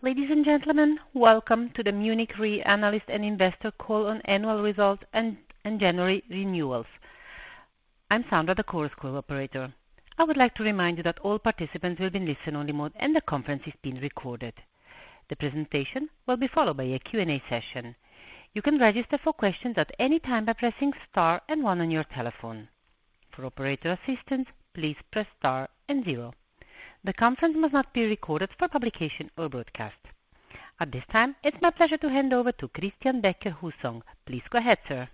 Ladies and gentlemen, welcome to the Munich Re analyst and investor call on annual results and January renewals. I'm Sandra, the call's operator. I would like to remind you that all participants will be in listen-only mode and the conference is being recorded. The presentation will be followed by a Q&A session. You can register for questions at any time by pressing star and one on your telephone. For operator assistance, please press star and zero. The conference must not be recorded for publication or broadcast. At this time, it's my pleasure to hand over to Christian Becker-Hussong. Please go ahead, sir.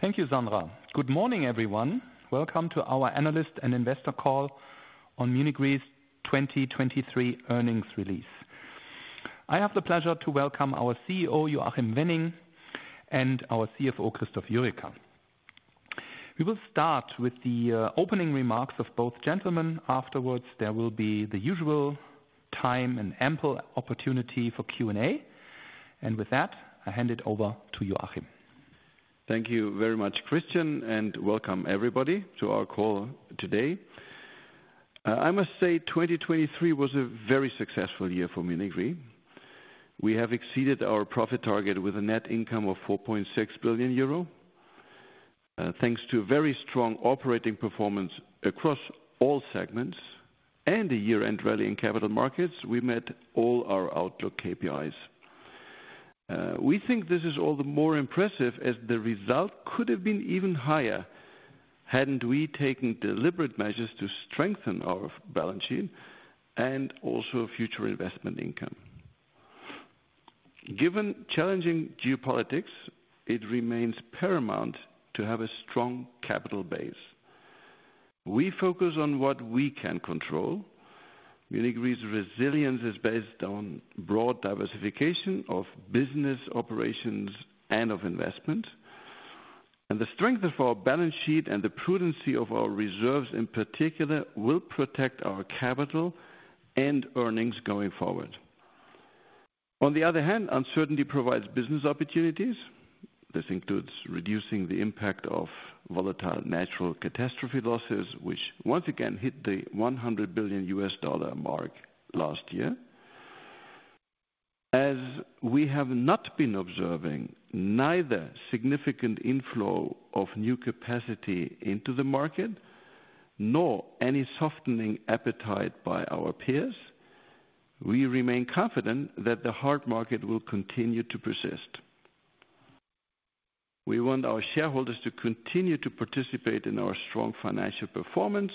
Thank you, Sandra. Good morning, everyone. Welcome to our analyst and investor call on Munich Re's 2023 earnings release. I have the pleasure to welcome our CEO, Joachim Wenning, and our CFO, Christoph Jurecka. We will start with the opening remarks of both gentlemen. Afterwards, there will be the usual time and ample opportunity for Q&A. With that, I hand it over to Joachim. Thank you very much, Christian, and welcome, everybody, to our call today. I must say 2023 was a very successful year for Munich Re. We have exceeded our profit target with a net income of 4.6 billion euro. Thanks to very strong operating performance across all segments and a year-end rally in capital markets, we met all our outlook KPIs. We think this is all the more impressive as the result could have been even higher hadn't we taken deliberate measures to strengthen our balance sheet and also future investment income. Given challenging geopolitics, it remains paramount to have a strong capital base. We focus on what we can control. Munich Re's resilience is based on broad diversification of business operations and of investments. The strength of our balance sheet and the prudency of our reserves in particular will protect our capital and earnings going forward. On the other hand, uncertainty provides business opportunities. This includes reducing the impact of volatile natural catastrophe losses, which once again hit the $100 billion mark last year. As we have not been observing neither significant inflow of new capacity into the market nor any softening appetite by our peers, we remain confident that the hard market will continue to persist. We want our shareholders to continue to participate in our strong financial performance.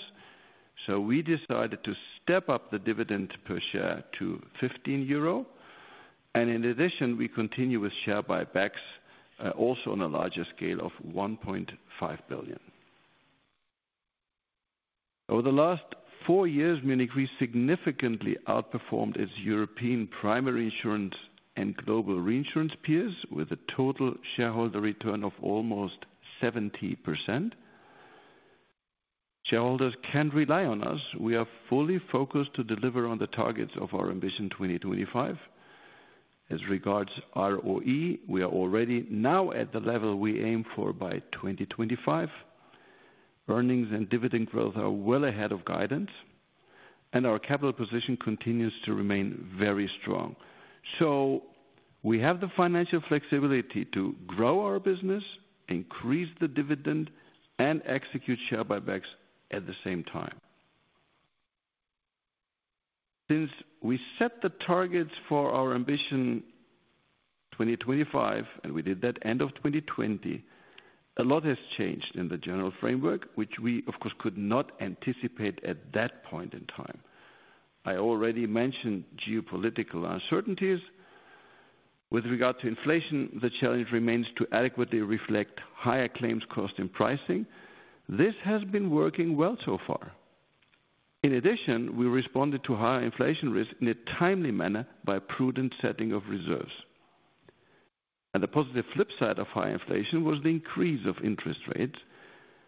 So we decided to step up the dividend per share to 15 euro. And in addition, we continue with share buybacks also on a larger scale of 1.5 billion. Over the last four years, Munich Re significantly outperformed its European Primary Insurance and Global Reinsurance peers with a total shareholder return of almost 70%. Shareholders can rely on us. We are fully focused to deliver on the targets of our Ambition 2025. As regards ROE, we are already now at the level we aim for by 2025. Earnings and dividend growth are well ahead of guidance. Our capital position continues to remain very strong. We have the financial flexibility to grow our business, increase the dividend, and execute share buybacks at the same time. Since we set the targets for our Ambition 2025, and we did that end of 2020, a lot has changed in the general framework, which we, of course, could not anticipate at that point in time. I already mentioned geopolitical uncertainties. With regard to inflation, the challenge remains to adequately reflect higher claims cost in pricing. This has been working well so far. In addition, we responded to higher inflation risk in a timely manner by prudent setting of reserves. The positive flip side of higher inflation was the increase of interest rates,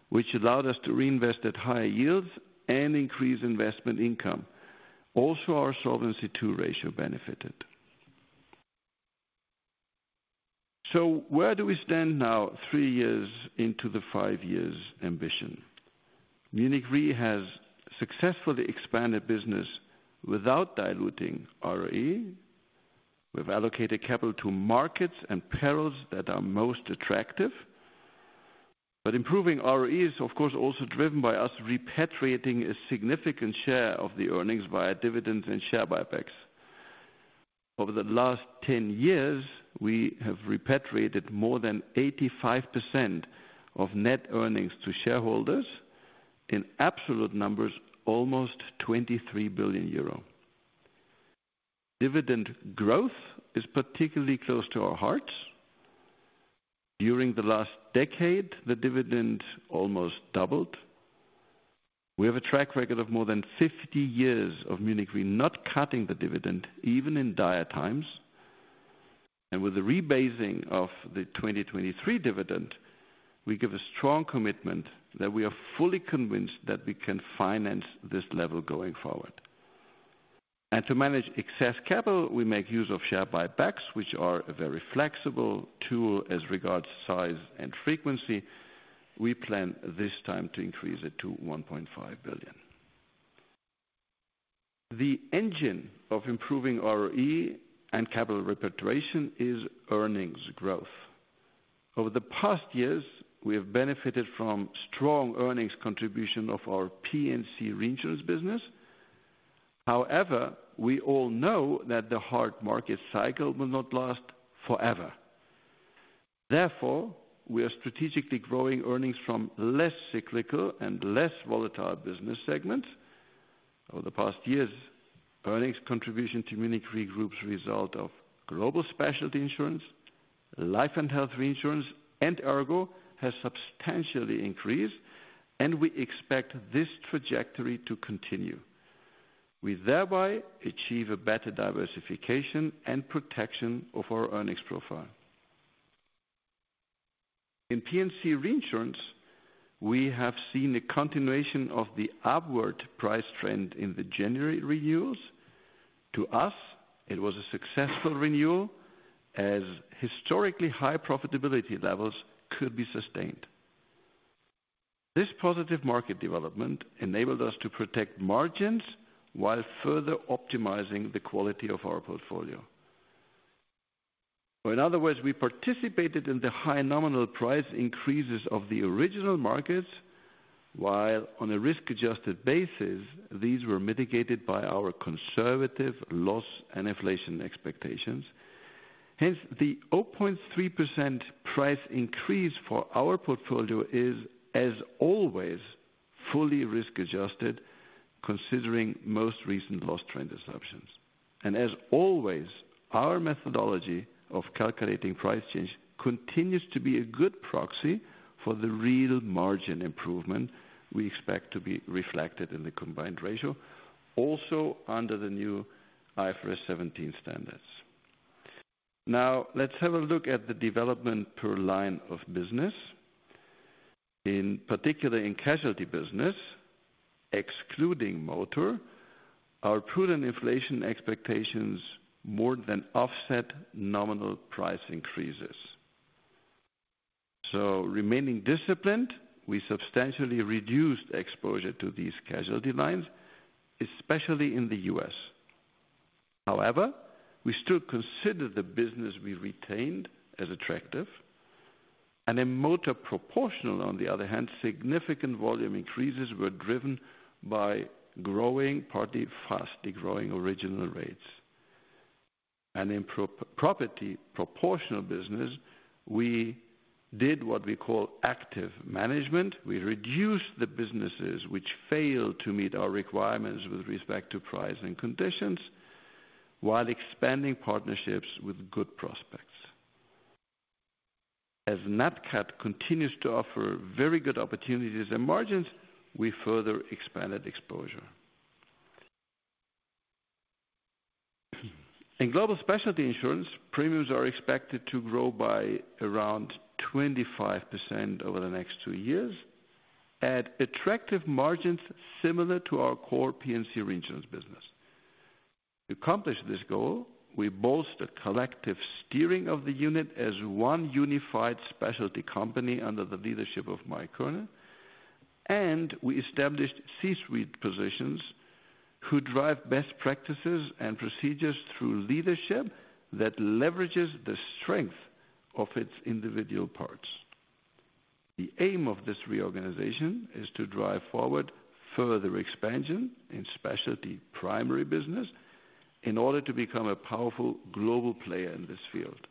which allowed us to reinvest at higher yields and increase investment income. Also, our solvency ratio benefited. Where do we stand now three years into the five-year ambition? Munich Re has successfully expanded business without diluting ROE. We've allocated capital to markets and perils that are most attractive. Improving ROE is, of course, also driven by us repatriating a significant share of the earnings via dividends and share buybacks. Over the last 10 years, we have repatriated more than 85% of net earnings to shareholders, in absolute numbers almost 23 billion euro. Dividend growth is particularly close to our hearts. During the last decade, the dividend almost doubled. We have a track record of more than 50 years of Munich Re not cutting the dividend, even in dire times. And with the rebasing of the 2023 dividend, we give a strong commitment that we are fully convinced that we can finance this level going forward. To manage excess capital, we make use of share buybacks, which are a very flexible tool as regards size and frequency. We plan this time to increase it to 1.5 billion. The engine of improving ROE and capital repatriation is earnings growth. Over the past years, we have benefited from strong earnings contribution of our P&C Reinsurance business. However, we all know that the hard market cycle will not last forever. Therefore, we are strategically growing earnings from less cyclical and less volatile business segments. Over the past years, earnings contribution to Munich Re Group's result of Global Specialty Insurance, Life and Health Reinsurance, and ERGO has substantially increased, and we expect this trajectory to continue. We thereby achieve a better diversification and protection of our earnings profile. In P&C Reinsurance, we have seen a continuation of the upward price trend in the January renewals. To us, it was a successful renewal as historically high profitability levels could be sustained. This positive market development enabled us to protect margins while further optimizing the quality of our portfolio. In other words, we participated in the high nominal price increases of the original markets, while on a risk-adjusted basis, these were mitigated by our conservative loss and inflation expectations. Hence, the 0.3% price increase for our portfolio is, as always, fully risk-adjusted, considering most recent loss trend assumptions. And as always, our methodology of calculating price change continues to be a good proxy for the real margin improvement we expect to be reflected in the combined ratio, also under the new IFRS 17 standards. Now, let's have a look at the development per line of business. In particular, in Casualty business, excluding Motor, our prudent inflation expectations more than offset nominal price increases. So remaining disciplined, we substantially reduced exposure to these Casualty lines, especially in the U.S. However, we still consider the business we retained as attractive. And in Motor Proportional, on the other hand, significant volume increases were driven by growing, partly fast-growing original rates. And in Property Proportional business, we did what we call active management. We reduced the businesses which failed to meet our requirements with respect to price and conditions, while expanding partnerships with good prospects. As NatCat continues to offer very good opportunities and margins, we further expanded exposure. In Global Specialty Insurance, premiums are expected to grow by around 25% over the next two years, at attractive margins similar to our core P&C Reinsurance business. To accomplish this goal, we bolstered collective steering of the unit as one unified specialty company under the leadership of Mike Kerner. We established C-suite positions who drive best practices and procedures through leadership that leverages the strength of its individual parts. The aim of this reorganization is to drive forward further expansion in specialty primary business in order to become a powerful global player in this field.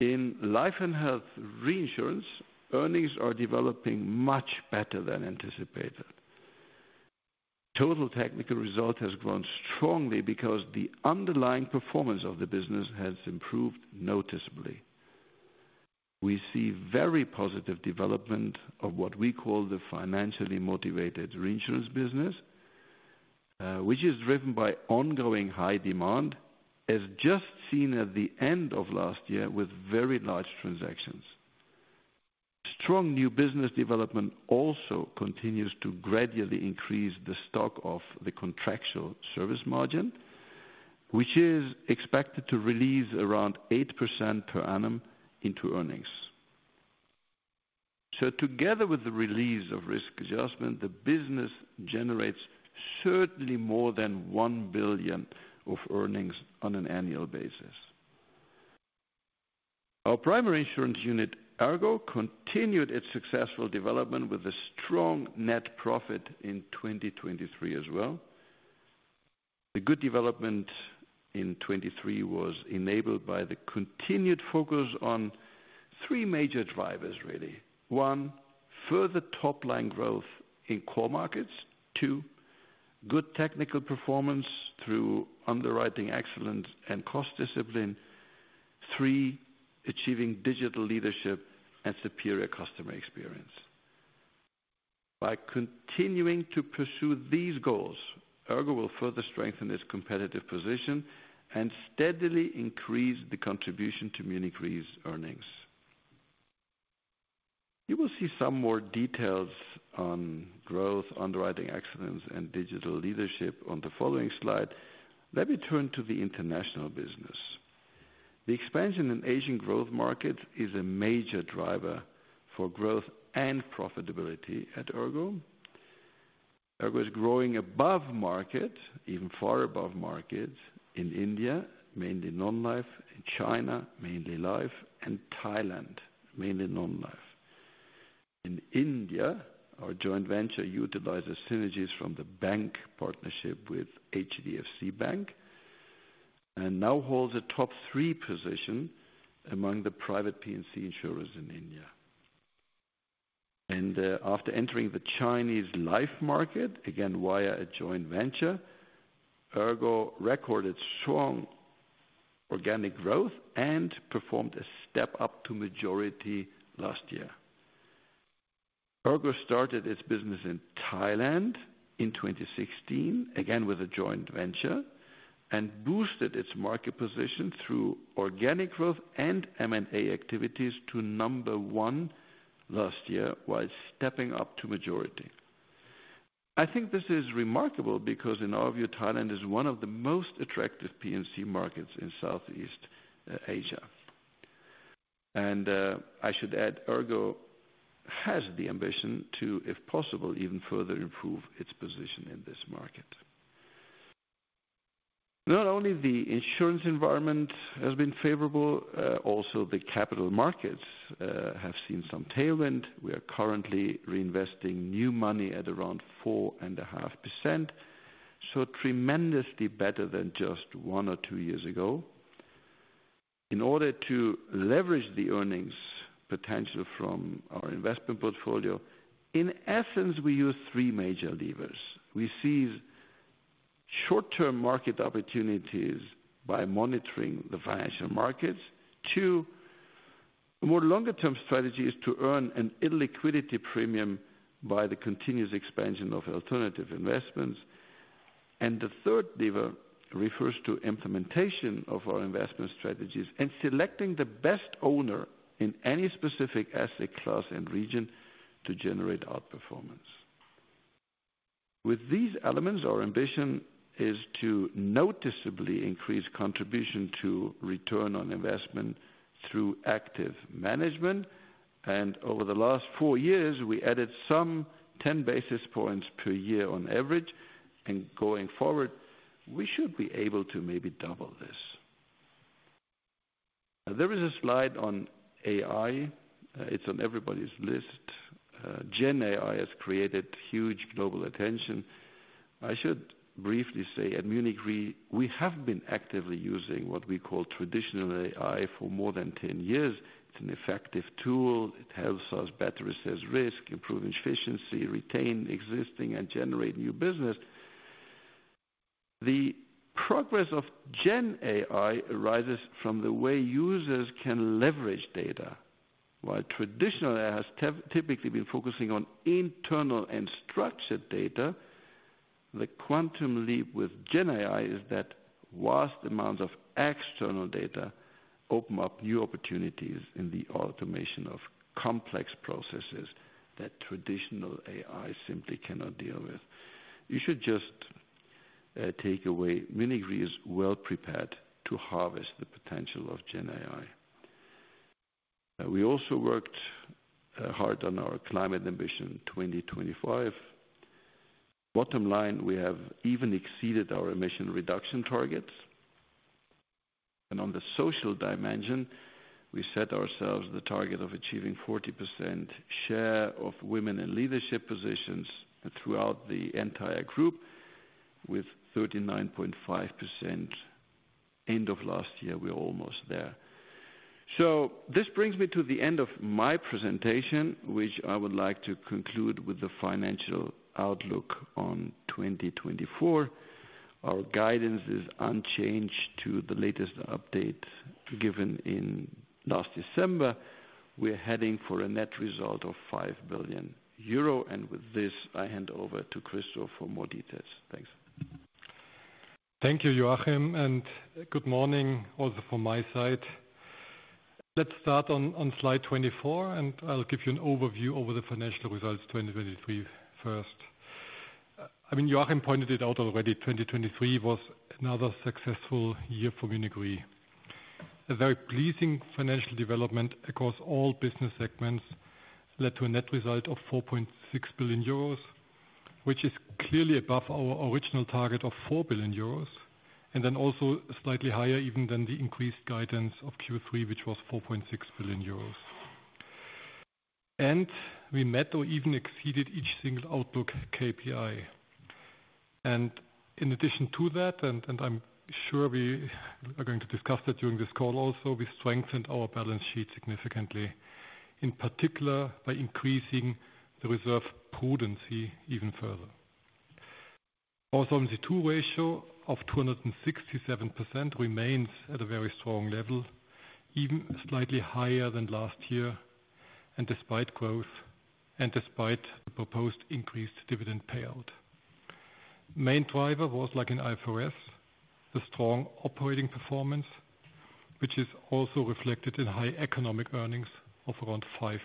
In Life and Health Reinsurance, earnings are developing much better than anticipated. Total Technical Result has grown strongly because the underlying performance of the business has improved noticeably. We see very positive development of what we call the financially motivated Reinsurance business, which is driven by ongoing high demand, as just seen at the end of last year with very large transactions. Strong new business development also continues to gradually increase the stock of the contractual service margin, which is expected to release around 8% per annum into earnings. So together with the release of risk adjustment, the business generates certainly more than 1 billion of earnings on an annual basis. Our primary insurance unit, ERGO, continued its successful development with a strong net profit in 2023 as well. The good development in 2023 was enabled by the continued focus on three major drivers, really. One, further top-line growth in core markets. Two, good technical performance through underwriting excellence and cost discipline. Three, achieving digital leadership and superior customer experience. By continuing to pursue these goals, ERGO will further strengthen its competitive position and steadily increase the contribution to Munich Re's earnings. You will see some more details on growth, underwriting excellence, and digital leadership on the following slide. Let me turn to the international business. The expansion in Asian growth markets is a major driver for growth and profitability at ERGO. ERGO is growing above market, even far above market, in India, mainly Non-Life, in China, mainly Life, and Thailand, mainly Non-Life. In India, our joint venture utilizes synergies from the bank partnership with HDFC Bank and now holds a top three position among the private P&C insurers in India. After entering the Chinese Life market, again via a joint venture, ERGO recorded strong organic growth and performed a step up to majority last year. ERGO started its business in Thailand in 2016, again with a joint venture, and boosted its market position through organic growth and M&A activities to number one last year while stepping up to majority. I think this is remarkable because, in our view, Thailand is one of the most attractive P&C markets in Southeast Asia. I should add, ERGO has the ambition to, if possible, even further improve its position in this market. Not only the insurance environment has been favorable, also the capital markets have seen some tailwind. We are currently reinvesting new money at around 4.5%, so tremendously better than just one or two years ago. In order to leverage the earnings potential from our investment portfolio, in essence, we use three major levers. We see short-term market opportunities by monitoring the financial markets. Two, a more longer-term strategy is to earn an illiquidity premium by the continuous expansion of alternative investments. And the third lever refers to implementation of our investment strategies and selecting the best owner in any specific asset class and region to generate outperformance. With these elements, our ambition is to noticeably increase contribution to return on investment through active management. Over the last four years, we added some 10 basis points per year on average. Going forward, we should be able to maybe double this. There is a slide on AI. It's on everybody's list. Gen AI has created huge global attention. I should briefly say, at Munich Re, we have been actively using what we call traditional AI for more than 10 years. It's an effective tool. It helps us better assess risk, improve efficiency, retain existing, and generate new business. The progress of Gen AI arises from the way users can leverage data. While traditional AI has typically been focusing on internal and structured data, the quantum leap with Gen AI is that vast amounts of external data open up new opportunities in the automation of complex processes that traditional AI simply cannot deal with. You should just take away Munich Re is well prepared to harvest the potential of Gen AI. We also worked hard on our Climate Ambition 2025. Bottom line, we have even exceeded our emission reduction targets. On the social dimension, we set ourselves the target of achieving 40% share of women in leadership positions throughout the entire group with 39.5%. End of last year, we're almost there. This brings me to the end of my presentation, which I would like to conclude with the financial outlook on 2024. Our guidance is unchanged to the latest update given in last December. We're heading for a net result of 5 billion euro. With this, I hand over to Christoph for more details. Thanks. Thank you, Joachim. Good morning also from my side. Let's start on slide 24, and I'll give you an overview over the financial results 2023 first. I mean, Joachim pointed it out already. 2023 was another successful year for Munich Re. A very pleasing financial development across all business segments led to a net result of 4.6 billion euros, which is clearly above our original target of 4 billion euros, and then also slightly higher even than the increased guidance of Q3, which was 4.6 billion euros. We met or even exceeded each single outlook KPI. In addition to that, and I'm sure we are going to discuss that during this call also, we strengthened our balance sheet significantly, in particular by increasing the reserve prudence even further. Also, the Solvency II ratio of 267% remains at a very strong level, even slightly higher than last year, and despite growth and despite the proposed increased dividend payout. Main driver was, like in IFRS, the strong operating performance, which is also reflected in high economic earnings of around 5.6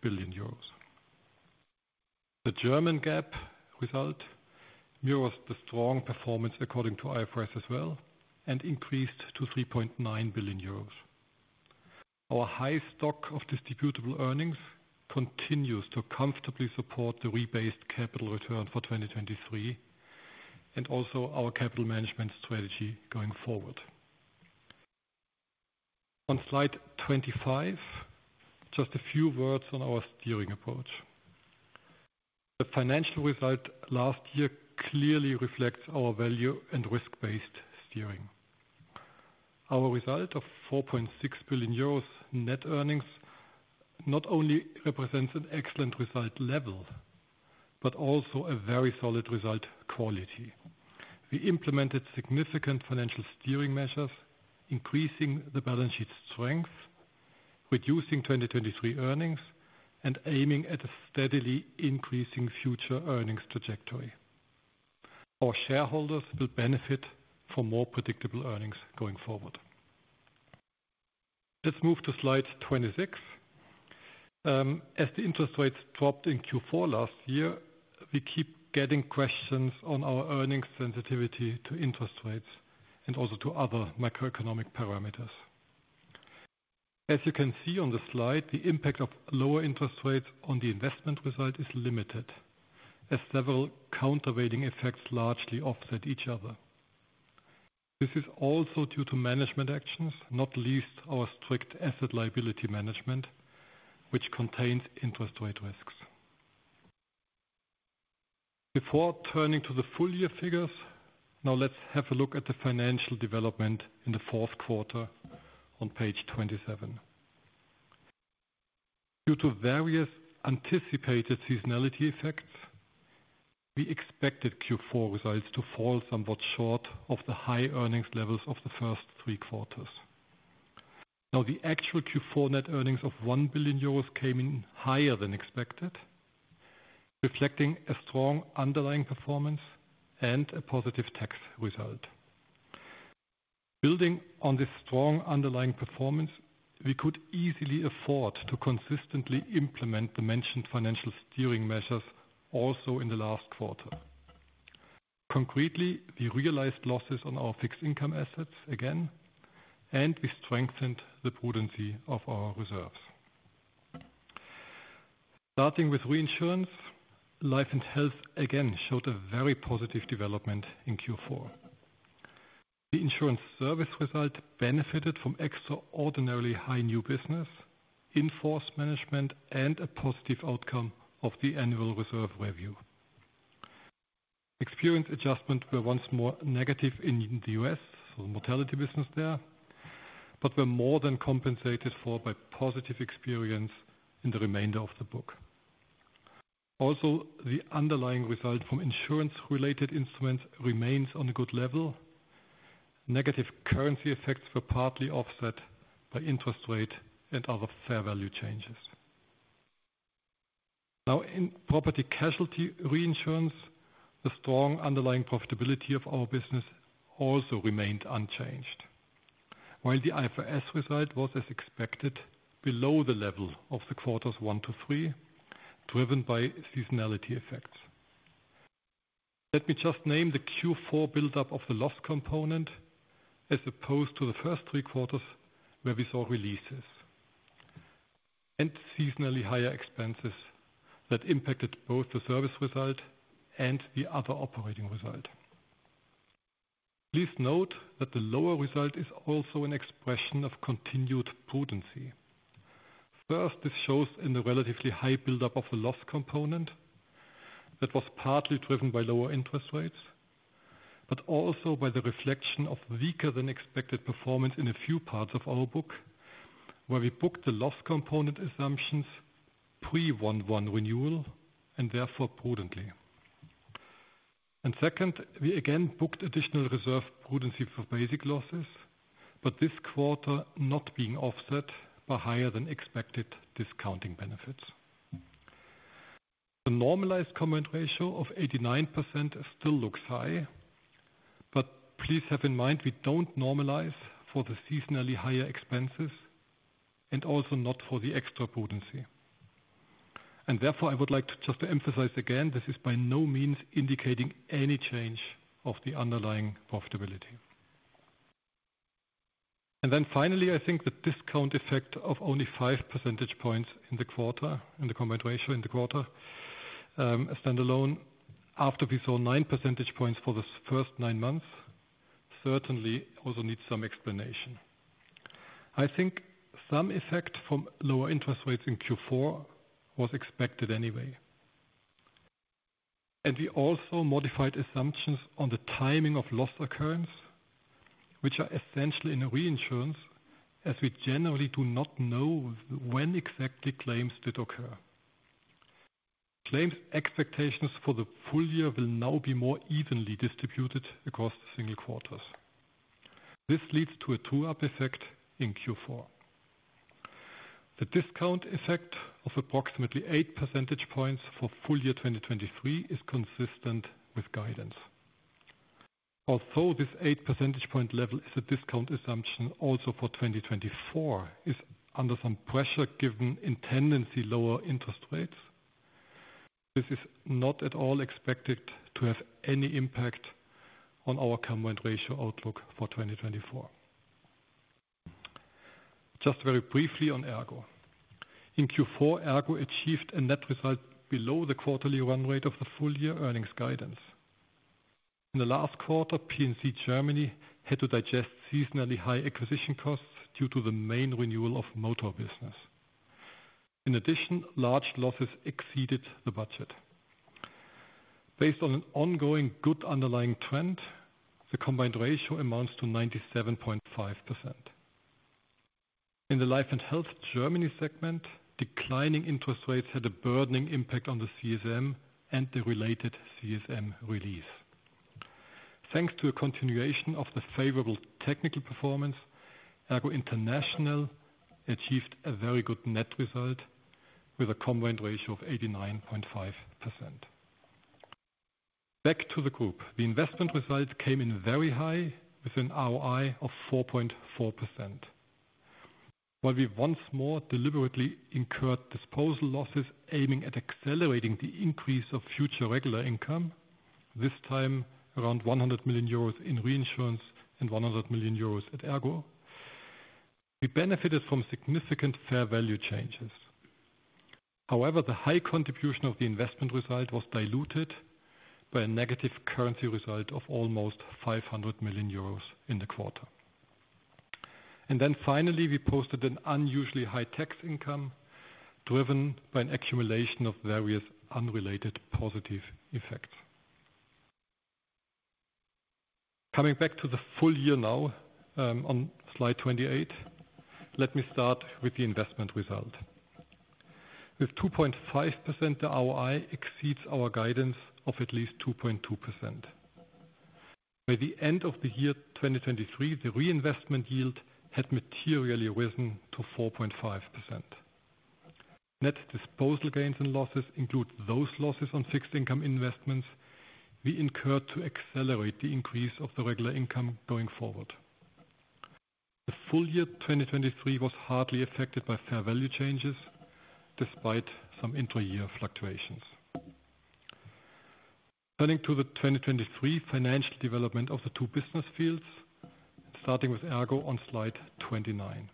billion euros. The German GAAP result mirrors the strong performance according to IFRS as well and increased to 3.9 billion euros. Our high stock of distributable earnings continues to comfortably support the rebased capital return for 2023 and also our capital management strategy going forward. On slide 25, just a few words on our steering approach. The financial result last year clearly reflects our value and risk-based steering. Our result of 4.6 billion euros net earnings not only represents an excellent result level, but also a very solid result quality. We implemented significant financial steering measures, increasing the balance sheet strength, reducing 2023 earnings, and aiming at a steadily increasing future earnings trajectory. Our shareholders will benefit from more predictable earnings going forward. Let's move to slide 26. As the interest rates dropped in Q4 last year, we keep getting questions on our earnings sensitivity to interest rates and also to other macroeconomic parameters. As you can see on the slide, the impact of lower interest rates on the investment result is limited, as several counterweighting effects largely offset each other. This is also due to management actions, not least our strict asset liability management, which contains interest rate risks. Before turning to the full-year figures, now let's have a look at the financial development in the fourth quarter on page 27. Due to various anticipated seasonality effects, we expected Q4 results to fall somewhat short of the high earnings levels of the first three quarters. Now, the actual Q4 net earnings of 1 billion euros came in higher than expected, reflecting a strong underlying performance and a positive tax result. Building on this strong underlying performance, we could easily afford to consistently implement the mentioned financial steering measures also in the last quarter. Concretely, we realized losses on our fixed income assets again, and we strengthened the prudency of our reserves. Starting with Reinsurance, Life and Health again showed a very positive development in Q4. The insurance service result benefited from extraordinarily high new business, enforced management, and a positive outcome of the annual reserve review. Experience adjustments were once more negative in the U.S., so the mortality business there, but were more than compensated for by positive experience in the remainder of the book. Also, the underlying result from insurance-related instruments remains on a good level. Negative currency effects were partly offset by interest rate and other fair value changes. Now, in Property Casualty Reinsurance, the strong underlying profitability of our business also remained unchanged, while the IFRS result was, as expected, below the level of the quarters one to three, driven by seasonality effects. Let me just name the Q4 buildup of the Loss Component as opposed to the first three quarters where we saw releases and seasonally higher expenses that impacted both the service result and the other operating result. Please note that the lower result is also an expression of continued prudence. First, this shows in the relatively high buildup of the Loss Component that was partly driven by lower interest rates, but also by the reflection of weaker-than-expected performance in a few parts of our book, where we booked the Loss Component assumptions pre-1/1 renewal and therefore prudently. And second, we again booked additional reserve prudency for large losses, but this quarter not being offset by higher-than-expected discounting benefits. The normalized combined ratio of 89% still looks high, but please have in mind we don't normalize for the seasonally higher expenses and also not for the extra prudency. And therefore, I would like to just emphasize again, this is by no means indicating any change of the underlying profitability. Then finally, I think the discount effect of only 5 percentage points in the quarter, in the combined ratio in the quarter, standalone, after we saw 9 percentage points for the first nine months, certainly also needs some explanation. I think some effect from lower interest rates in Q4 was expected anyway. And we also modified assumptions on the timing of loss occurrence, which are essential in Reinsurance, as we generally do not know when exactly claims did occur. Claims expectations for the full year will now be more evenly distributed across the single quarters. This leads to an upward effect in Q4. The discount effect of approximately 8 percentage points for full-year 2023 is consistent with guidance. Although this 8-percentage point level is a discount assumption also for 2024, is under some pressure given the tendency toward lower interest rates. This is not at all expected to have any impact on our combined ratio outlook for 2024. Just very briefly on ERGO. In Q4, ERGO achieved a net result below the quarterly run rate of the full-year earnings guidance. In the last quarter, P&C Germany had to digest seasonally high acquisition costs due to the main renewal of Motor business. In addition, large losses exceeded the budget. Based on an ongoing good underlying trend, the combined ratio amounts to 97.5%. In the Life and Health Germany segment, declining interest rates had a burdening impact on the CSM and the related CSM release. Thanks to a continuation of the favorable technical performance, ERGO International achieved a very good net result with a combined ratio of 89.5%. Back to the group, the investment result came in very high with an ROI of 4.4%. While we once more deliberately incurred disposal losses aiming at accelerating the increase of future regular income, this time around 100 million euros in Reinsurance and 100 million euros at ERGO, we benefited from significant fair value changes. However, the high contribution of the investment result was diluted by a negative currency result of almost 500 million euros in the quarter. And then finally, we posted an unusually high tax income driven by an accumulation of various unrelated positive effects. Coming back to the full year now on slide 28, let me start with the investment result. With 2.5%, the ROI exceeds our guidance of at least 2.2%. By the end of the year 2023, the reinvestment yield had materially risen to 4.5%. Net disposal gains and losses include those losses on fixed income investments we incurred to accelerate the increase of the regular income going forward. The full-year 2023 was hardly affected by fair value changes, despite some inter-year fluctuations. Turning to the 2023 financial development of the two business fields, starting with ERGO on slide 29.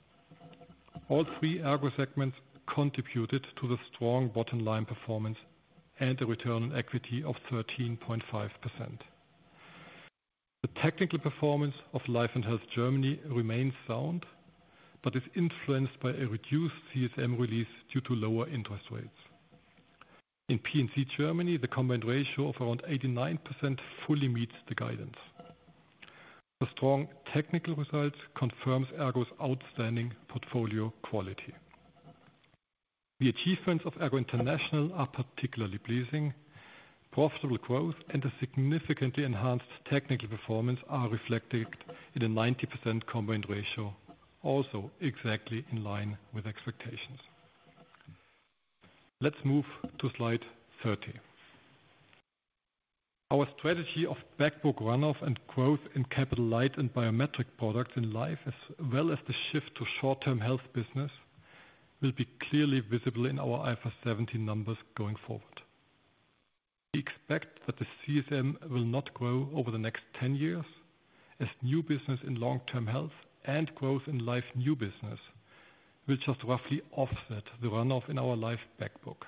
All three ERGO segments contributed to the strong bottom-line performance and a return on equity of 13.5%. The technical performance of Life and Health Germany remains sound, but is influenced by a reduced CSM release due to lower interest rates. In P&C Germany, the combined ratio of around 89% fully meets the guidance. The strong technical results confirm ERGO's outstanding portfolio quality. The achievements of ERGO International are particularly pleasing. Profitable growth and a significantly enhanced technical performance are reflected in a 90% combined ratio, also exactly in line with expectations. Let's move to slide 30. Our strategy of back book runoff and growth in capital-light and biometric products in Life, as well as the shift to short-term Health business, will be clearly visible in our IFRS 17 numbers going forward. We expect that the CSM will not grow over the next 10 years, as new business in long-term Health and growth in Life new business will just roughly offset the runoff in our Life back book.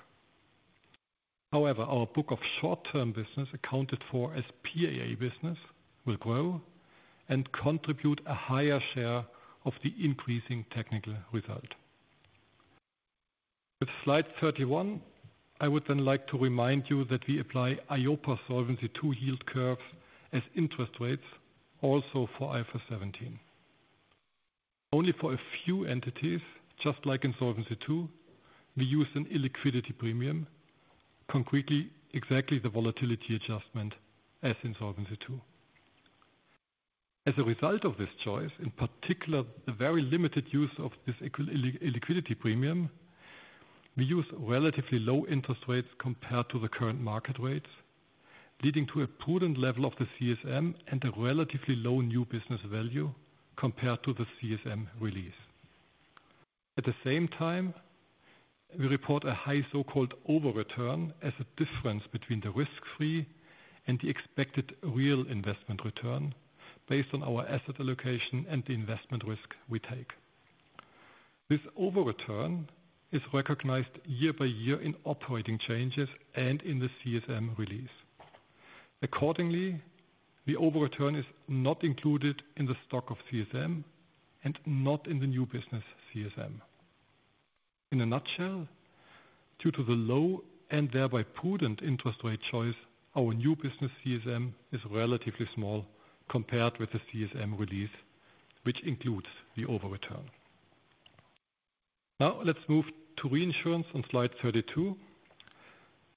However, our book of short-term business accounted for as PAA business will grow and contribute a higher share of the increasing technical result. With slide 31, I would then like to remind you that we apply EIOPA Solvency II yield curves as interest rates, also for IFRS 17. Only for a few entities, just like in Solvency II, we use an illiquidity premium, concretely exactly the Volatility Adjustment as in Solvency II. As a result of this choice, in particular the very limited use of this illiquidity premium, we use relatively low interest rates compared to the current market rates, leading to a prudent level of the CSM and a relatively low new business value compared to the CSM release. At the same time, we report a high so-called over return as a difference between the risk-free and the expected real investment return based on our asset allocation and the investment risk we take. This over return is recognized year by year in operating changes and in the CSM release. Accordingly, the over return is not included in the stock of CSM and not in the new business CSM. In a nutshell, due to the low and thereby prudent interest rate choice, our new business CSM is relatively small compared with the CSM release, which includes the over return. Now, let's move to Reinsurance on slide 32.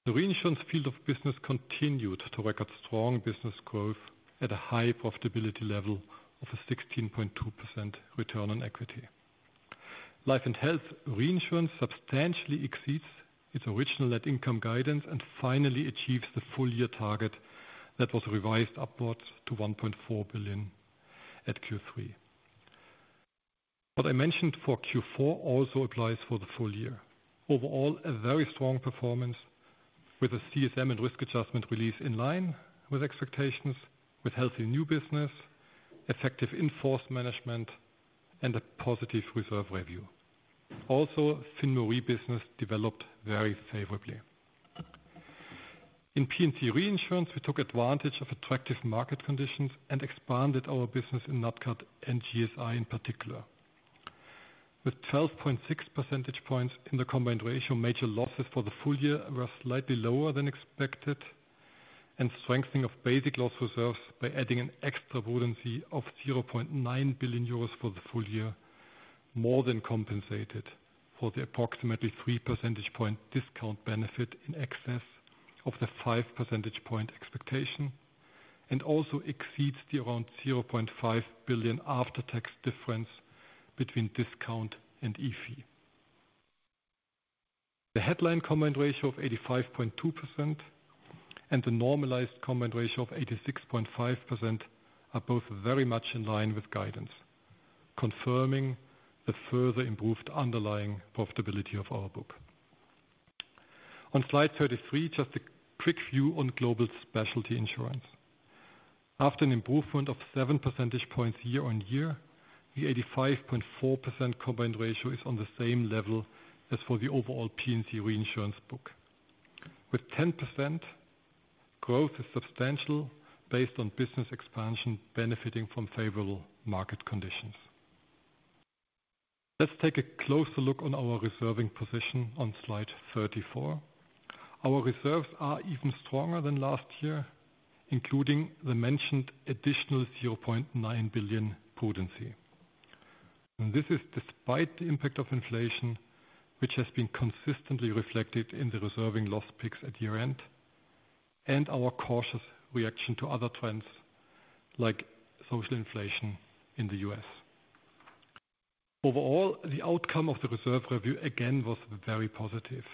The Reinsurance field of business continued to record strong business growth at a high profitability level of a 16.2% return on equity. Life and Health Reinsurance substantially exceeds its original net income guidance and finally achieves the full-year target that was revised upwards to 1.4 billion at Q3. What I mentioned for Q4 also applies for the full year. Overall, a very strong performance with a CSM and risk adjustment release in line with expectations, with healthy new business, effective expense management, and a positive reserve review. Also, FinMoRe business developed very favorably. In P&C Reinsurance, we took advantage of attractive market conditions and expanded our business in NatCat and GSI in particular. With 12.6 percentage points in the combined ratio, major losses for the full year were slightly lower than expected, and strengthening of basic loss reserves by adding an extra prudency of 0.9 billion euros for the full year, more than compensated for the approximately 3 percentage point discount benefit in excess of the 5 percentage point expectation, and also exceeds the around 0.5 billion after-tax difference between discount and IFIE. The headline combined ratio of 85.2% and the normalized combined ratio of 86.5% are both very much in line with guidance, confirming the further improved underlying profitability of our book. On slide 33, just a quick view on Global Specialty Insurance. After an improvement of 7 percentage points year-on-year, the 85.4% combined ratio is on the same level as for the overall P&C Reinsurance book. With 10% growth is substantial based on business expansion benefiting from favorable market conditions. Let's take a closer look on our reserving position on slide 34. Our reserves are even stronger than last year, including the mentioned additional 0.9 billion prudency. This is despite the impact of inflation, which has been consistently reflected in the reserving loss picks at year-end, and our cautious reaction to other trends like social inflation in the U.S. Overall, the outcome of the reserve review again was very positive.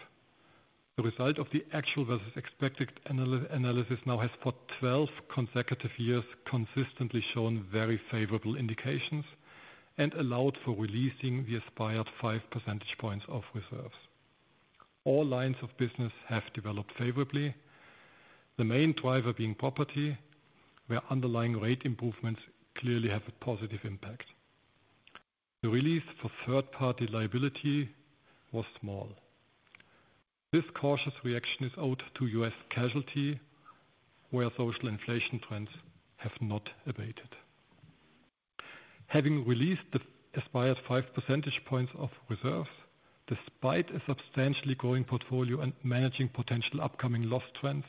The result of the actual versus expected analysis now has for 12 consecutive years consistently shown very favorable indications and allowed for releasing the aspired 5 percentage points of reserves. All lines of business have developed favorably, the main driver being property, where underlying rate improvements clearly have a positive impact. The release for third-party liability was small. This cautious reaction is owed to U.S. Casualty, where social inflation trends have not abated. Having released the aspired 5 percentage points of reserves, despite a substantially growing portfolio and managing potential upcoming loss trends,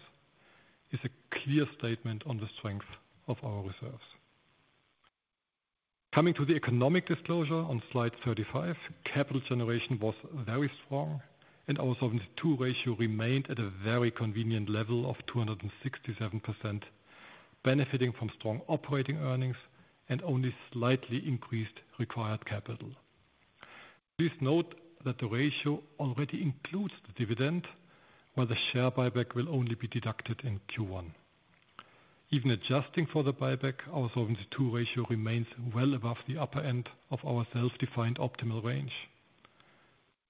is a clear statement on the strength of our reserves. Coming to the economic disclosure on slide 35, capital generation was very strong, and our Solvency II ratio remained at a very convenient level of 267%, benefiting from strong operating earnings and only slightly increased required capital. Please note that the ratio already includes the dividend, while the share buyback will only be deducted in Q1. Even adjusting for the buyback, our Solvency II ratio remains well above the upper end of our self-defined optimal range.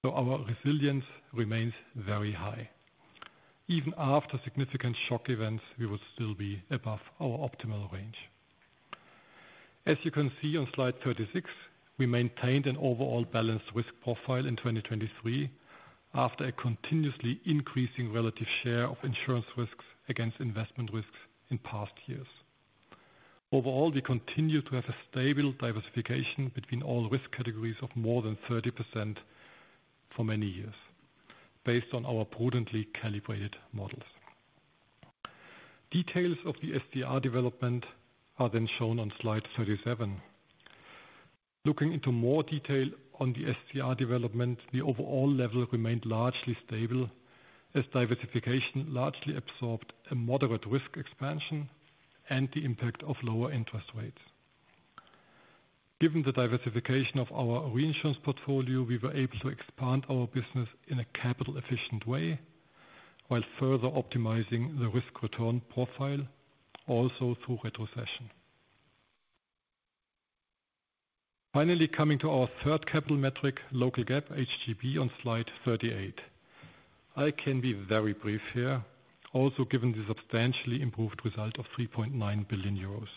So our resilience remains very high. Even after significant shock events, we would still be above our optimal range. As you can see on slide 36, we maintained an overall balanced risk profile in 2023 after a continuously increasing relative share of insurance risks against investment risks in past years. Overall, we continue to have a stable diversification between all risk categories of more than 30% for many years, based on our prudently calibrated models. Details of the SCR development are then shown on slide 37. Looking into more detail on the SCR development, the overall level remained largely stable, as diversification largely absorbed a moderate risk expansion and the impact of lower interest rates. Given the diversification of our Reinsurance portfolio, we were able to expand our business in a capital-efficient way, while further optimizing the risk-return profile, also through retrocession. Finally, coming to our third capital metric, local GAAP, HGB, on slide 38. I can be very brief here, also given the substantially improved result of 3.9 billion euros.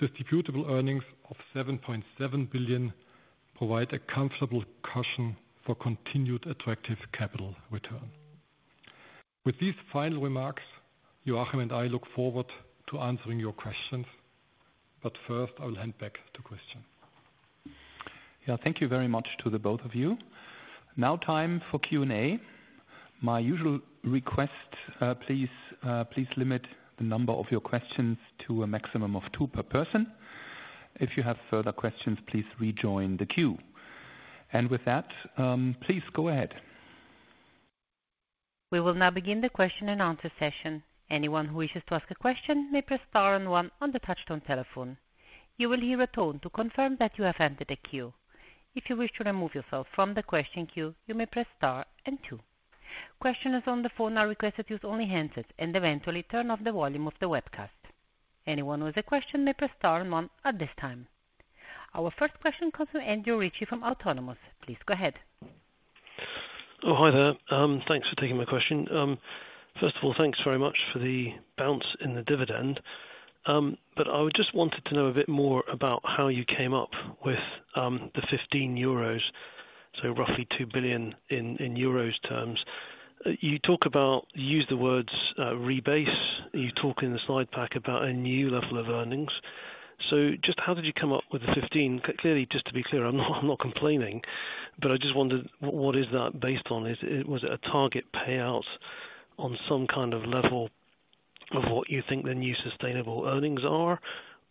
Distributable earnings of 7.7 billion provide a comfortable cushion for continued attractive capital return. With these final remarks, Joachim and I look forward to answering your questions. But first, I will hand back to Christian. Yeah, thank you very much to both of you. Now time for Q&A. My usual request, please limit the number of your questions to a maximum of two per person. If you have further questions, please rejoin the queue. With that, please go ahead. We will now begin the question-and-answer session. Anyone who wishes to ask a question may press star and one on the touchtone telephone. You will hear a tone to confirm that you have entered a queue. If you wish to remove yourself from the question queue, you may press star and two. Questioners on the phone are requested to use only handsets and eventually turn off the volume of the webcast. Anyone with a question may press star and one at this time. Our first question comes from Andrew Ritchie from Autonomous. Please go ahead. Oh, hi there. Thanks for taking my question. First of all, thanks very much for the bounce in the dividend. But I just wanted to know a bit more about how you came up with the 15 euros, so roughly 2 billion in euros terms. You use the words rebase. You talk in the slide pack about a new level of earnings. So just how did you come up with the 15? Clearly, just to be clear, I'm not complaining, but I just wondered, what is that based on? Was it a target payout on some kind of level of what you think the new sustainable earnings are?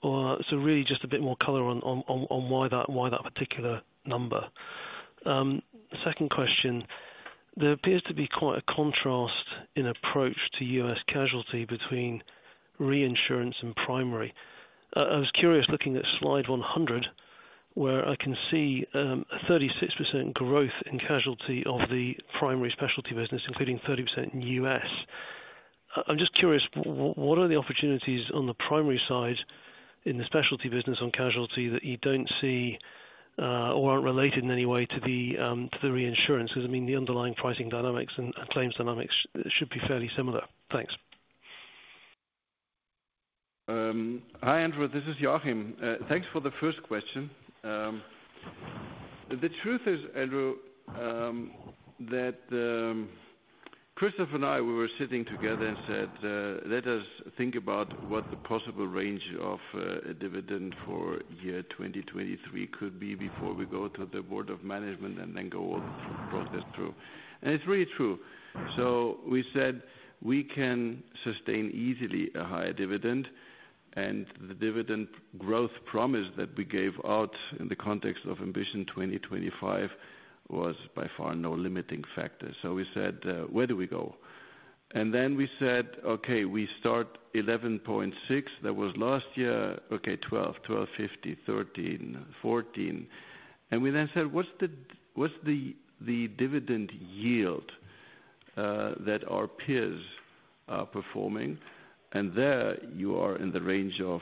So really just a bit more color on why that particular number. Second question. There appears to be quite a contrast in approach to U.S. Casualty between Reinsurance and Primary. I was curious looking at slide 100, where I can see 36% growth in Casualty of the Primary Specialty business, including 30% in the U.S. I'm just curious, what are the opportunities on the Primary side in the Specialty business on Casualty that you don't see or aren't related in any way to the Reinsurance? Because I mean, the underlying pricing dynamics and claims dynamics should be fairly similar. Thanks. Hi Andrew. This is Joachim. Thanks for the first question. The truth is, Andrew, that Christoph and I, we were sitting together and said, "Let us think about what the possible range of a dividend for year 2023 could be before we go to the Board of Management and then go all through the process through." And it's really true. So we said, "We can sustain easily a higher dividend." And the dividend growth promise that we gave out in the context of Ambition 2025 was by far no limiting factor. So we said, "Where do we go?" And then we said, "Okay, we start 11.6." That was last year. Okay, 12, 12.50, 13, 14. And we then said, "What's the dividend yield that our peers are performing?" And there you are in the range of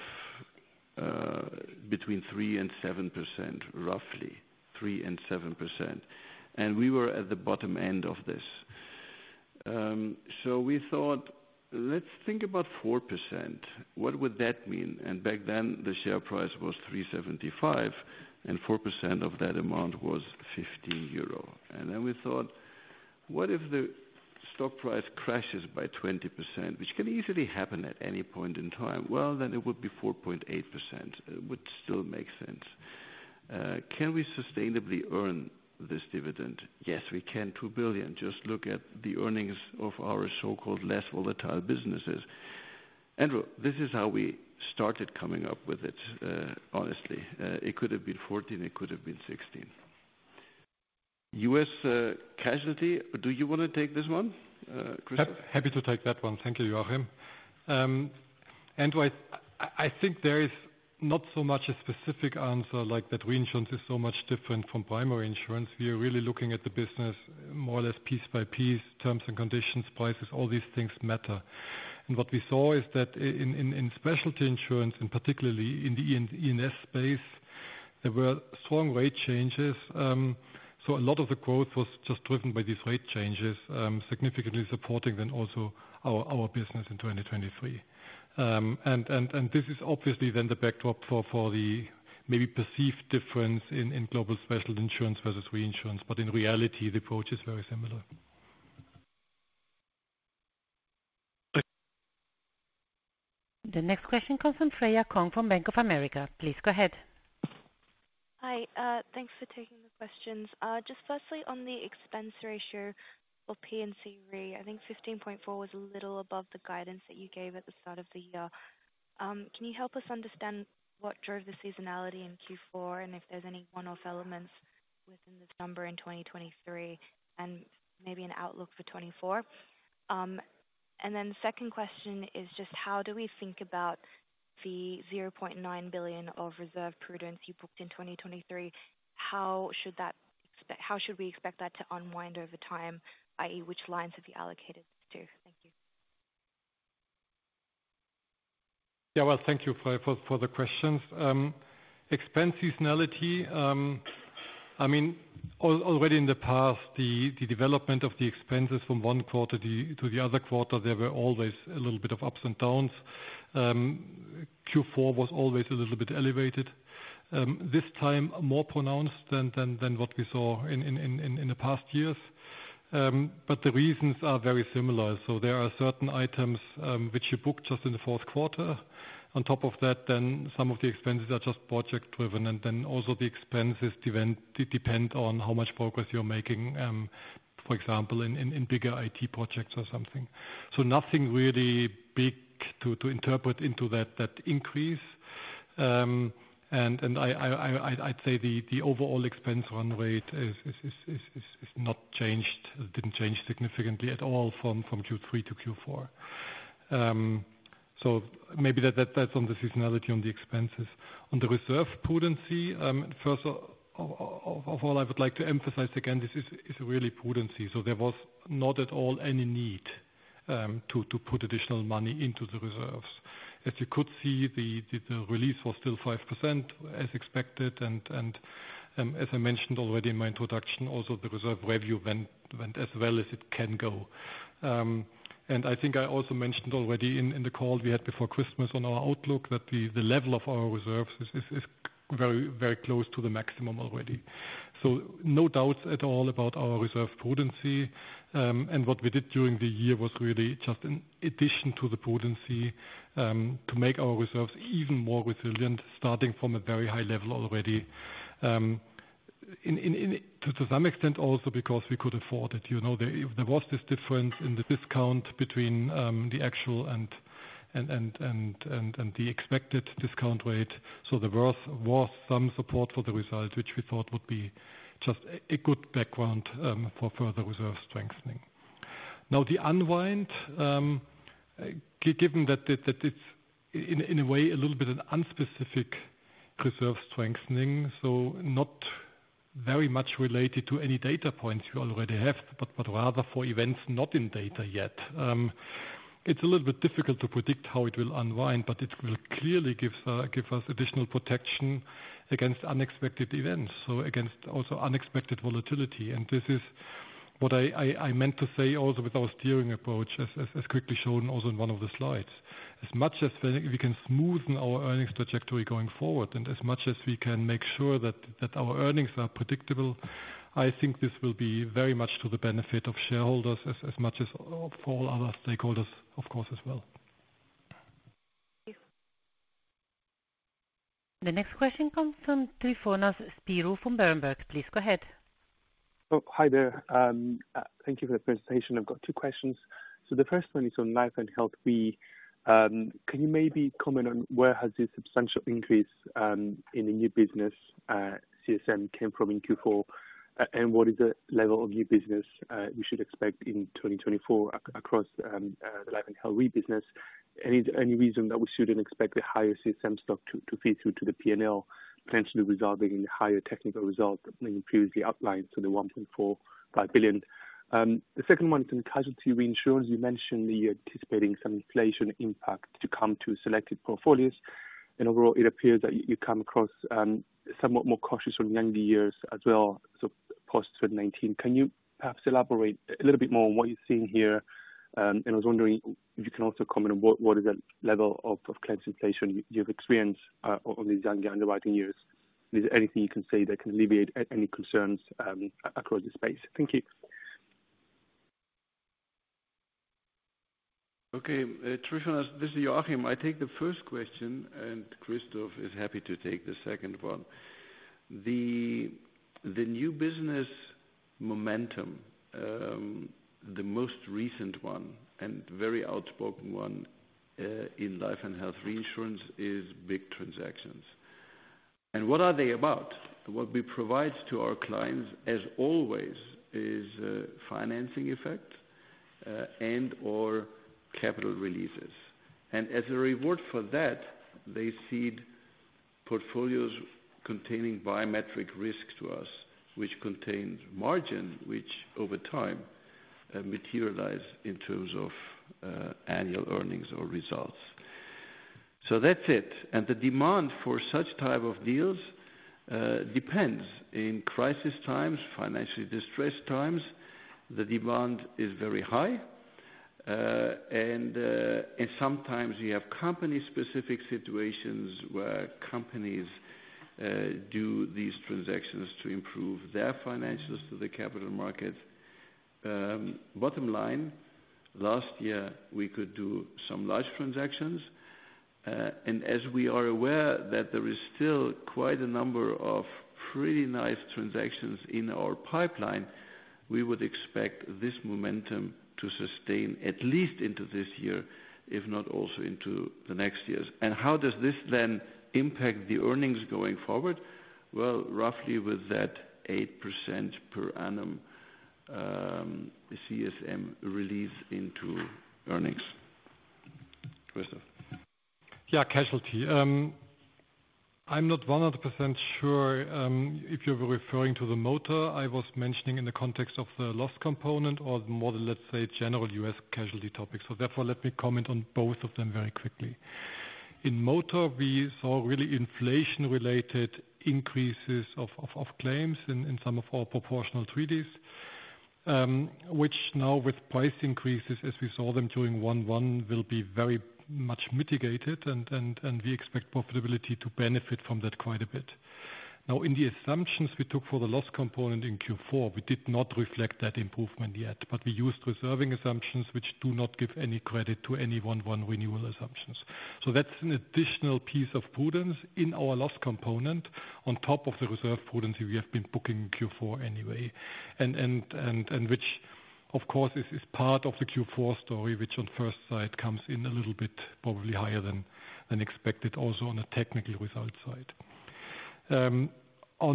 between 3% and 7%, roughly 3% and 7%. And we were at the bottom end of this. So we thought, "Let's think about 4%. What would that mean?" And back then, the share price was 3.75, and 4% of that amount was 15 euro. And then we thought, "What if the stock price crashes by 20%, which can easily happen at any point in time?" Well, then it would be 4.8%. It would still make sense. Can we sustainably earn this dividend? Yes, we can, 2 billion. Just look at the earnings of our so-called less volatile businesses. Andrew, this is how we started coming up with it, honestly. It could have been 14. It could have been 16. U.S. Casualty, do you want to take this one, Christoph? Happy to take that one. Thank you, Joachim. Andrew, I think there is not so much a specific answer like that Reinsurance is so much different from Primary insurance. We are really looking at the business more or less piece by piece, terms and conditions, prices, all these things matter. And what we saw is that in Specialty insurance, and particularly in the E&S space, there were strong rate changes. So a lot of the growth was just driven by these rate changes, significantly supporting then also our business in 2023. And this is obviously then the backdrop for the maybe perceived difference in Global Specialty Insurance versus Reinsurance. But in reality, the approach is very similar. The next question comes from Freya Kong from Bank of America. Please go ahead. Hi. Thanks for taking the questions. Just firstly, on the expense ratio of P&C Re, I think 15.4% was a little above the guidance that you gave at the start of the year. Can you help us understand what drove the seasonality in Q4 and if there's any one-off elements within this number in 2023 and maybe an outlook for 2024? And then the second question is just how do we think about the 0.9 billion of reserve prudence you booked in 2023? How should we expect that to unwind over time, i.e., which lines have you allocated to? Thank you. Yeah. Well, thank you for the questions. Expense seasonality, I mean, already in the past, the development of the expenses from one quarter to the other quarter, there were always a little bit of ups and downs. Q4 was always a little bit elevated. This time, more pronounced than what we saw in the past years. But the reasons are very similar. So there are certain items which you booked just in the fourth quarter. On top of that, then some of the expenses are just project driven. And then also the expenses depend on how much progress you're making, for example, in bigger IT projects or something. So nothing really big to interpret into that increase. And I'd say the overall expense run rate is not changed, didn't change significantly at all from Q3 to Q4. So maybe that's on the seasonality, on the expenses. On the reserve prudency, first of all, I would like to emphasize again, this is really prudency. So there was not at all any need to put additional money into the reserves. As you could see, the release was still 5% as expected. And as I mentioned already in my introduction, also the reserve revenue went as well as it can go. I think I also mentioned already in the call we had before Christmas on our outlook that the level of our reserves is very close to the maximum already. No doubts at all about our reserve prudence. What we did during the year was really just in addition to the prudence, to make our reserves even more resilient starting from a very high level already. To some extent also because we could afford it. There was this difference in the discount between the actual and the expected discount rate. There was some support for the result, which we thought would be just a good background for further reserve strengthening. Now, the unwind, given that it's in a way a little bit an unspecific reserve strengthening, so not very much related to any data points you already have, but rather for events not in data yet. It's a little bit difficult to predict how it will unwind, but it will clearly give us additional protection against unexpected events, so against also unexpected volatility. And this is what I meant to say also with our steering approach, as quickly shown also in one of the slides. As much as we can smoothen our earnings trajectory going forward and as much as we can make sure that our earnings are predictable, I think this will be very much to the benefit of shareholders as much as for all other stakeholders, of course, as well. The next question comes from Tryfonas Spyrou from Berenberg. Please go ahead. Hi there. Thank you for the presentation. I've got two questions. So the first one is on Life and Health. Can you maybe comment on where has this substantial increase in the new business CSM came from in Q4? What is the level of new business we should expect in 2024 across the Life and Health Re business? Any reason that we shouldn't expect the higher CSM stock to feed through to the P&L, potentially resulting in the higher technical result than previously outlined, so the 1.45 billion? The second one is on Casualty Reinsurance. You mentioned that you're anticipating some inflation impact to come to selected portfolios. And overall, it appears that you come across somewhat more cautious on younger years as well, so post-2019. Can you perhaps elaborate a little bit more on what you're seeing here? And I was wondering if you can also comment on what is that level of claims inflation you've experienced on these younger underwriting years. Is there anything you can say that can alleviate any concerns across the space? Thank you. Okay. Tryfonas, this is Joachim. I'll take the first question, and Christoph is happy to take the second one. The new business momentum, the most recent one and very outstanding one in Life and Health Reinsurance, is big transactions. What are they about? What we provide to our clients, as always, is financing effect and or capital releases. As a reward for that, they cede portfolios containing biometric risk to us, which contains margin, which over time materialize in terms of annual earnings or results. That's it. The demand for such type of deals depends. In crisis times, financially distressed times, the demand is very high. Sometimes you have company-specific situations where companies do these transactions to improve their financials to the capital markets. Bottom line, last year, we could do some large transactions. As we are aware that there is still quite a number of pretty nice transactions in our pipeline, we would expect this momentum to sustain at least into this year, if not also into the next years. And how does this then impact the earnings going forward? Well, roughly with that 8% per annum CSM release into earnings. Christoph? Yeah, Casualty. I'm not 100% sure if you were referring to the Motor. I was mentioning in the context of the Loss Component or more, let's say, general U.S. Casualty topics. So therefore, let me comment on both of them very quickly. In Motor, we saw really inflation-related increases of claims in some of our proportional treaties, which now with price increases, as we saw them during 2011, will be very much mitigated. And we expect profitability to benefit from that quite a bit. Now, in the assumptions we took for the Loss Component in Q4, we did not reflect that improvement yet. But we used reserving assumptions, which do not give any credit to any 1/1 renewal assumptions. So that's an additional piece of prudence in our Loss Component on top of the reserve prudency we have been booking in Q4 anyway, and which, of course, is part of the Q4 story, which on the first side comes in a little bit probably higher than expected also on the technical result side. On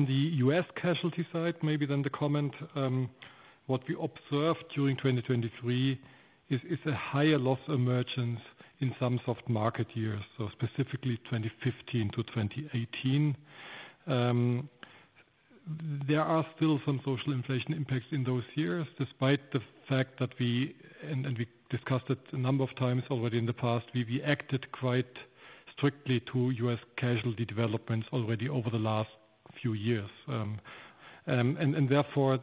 the U.S. Casualty side, maybe then the comment, what we observed during 2023 is a higher loss emergence in some soft market years, so specifically 2015-2018. There are still some social inflation impacts in those years, despite the fact that we discussed it a number of times already in the past, we acted quite strictly to U.S. Casualty developments already over the last few years. And therefore,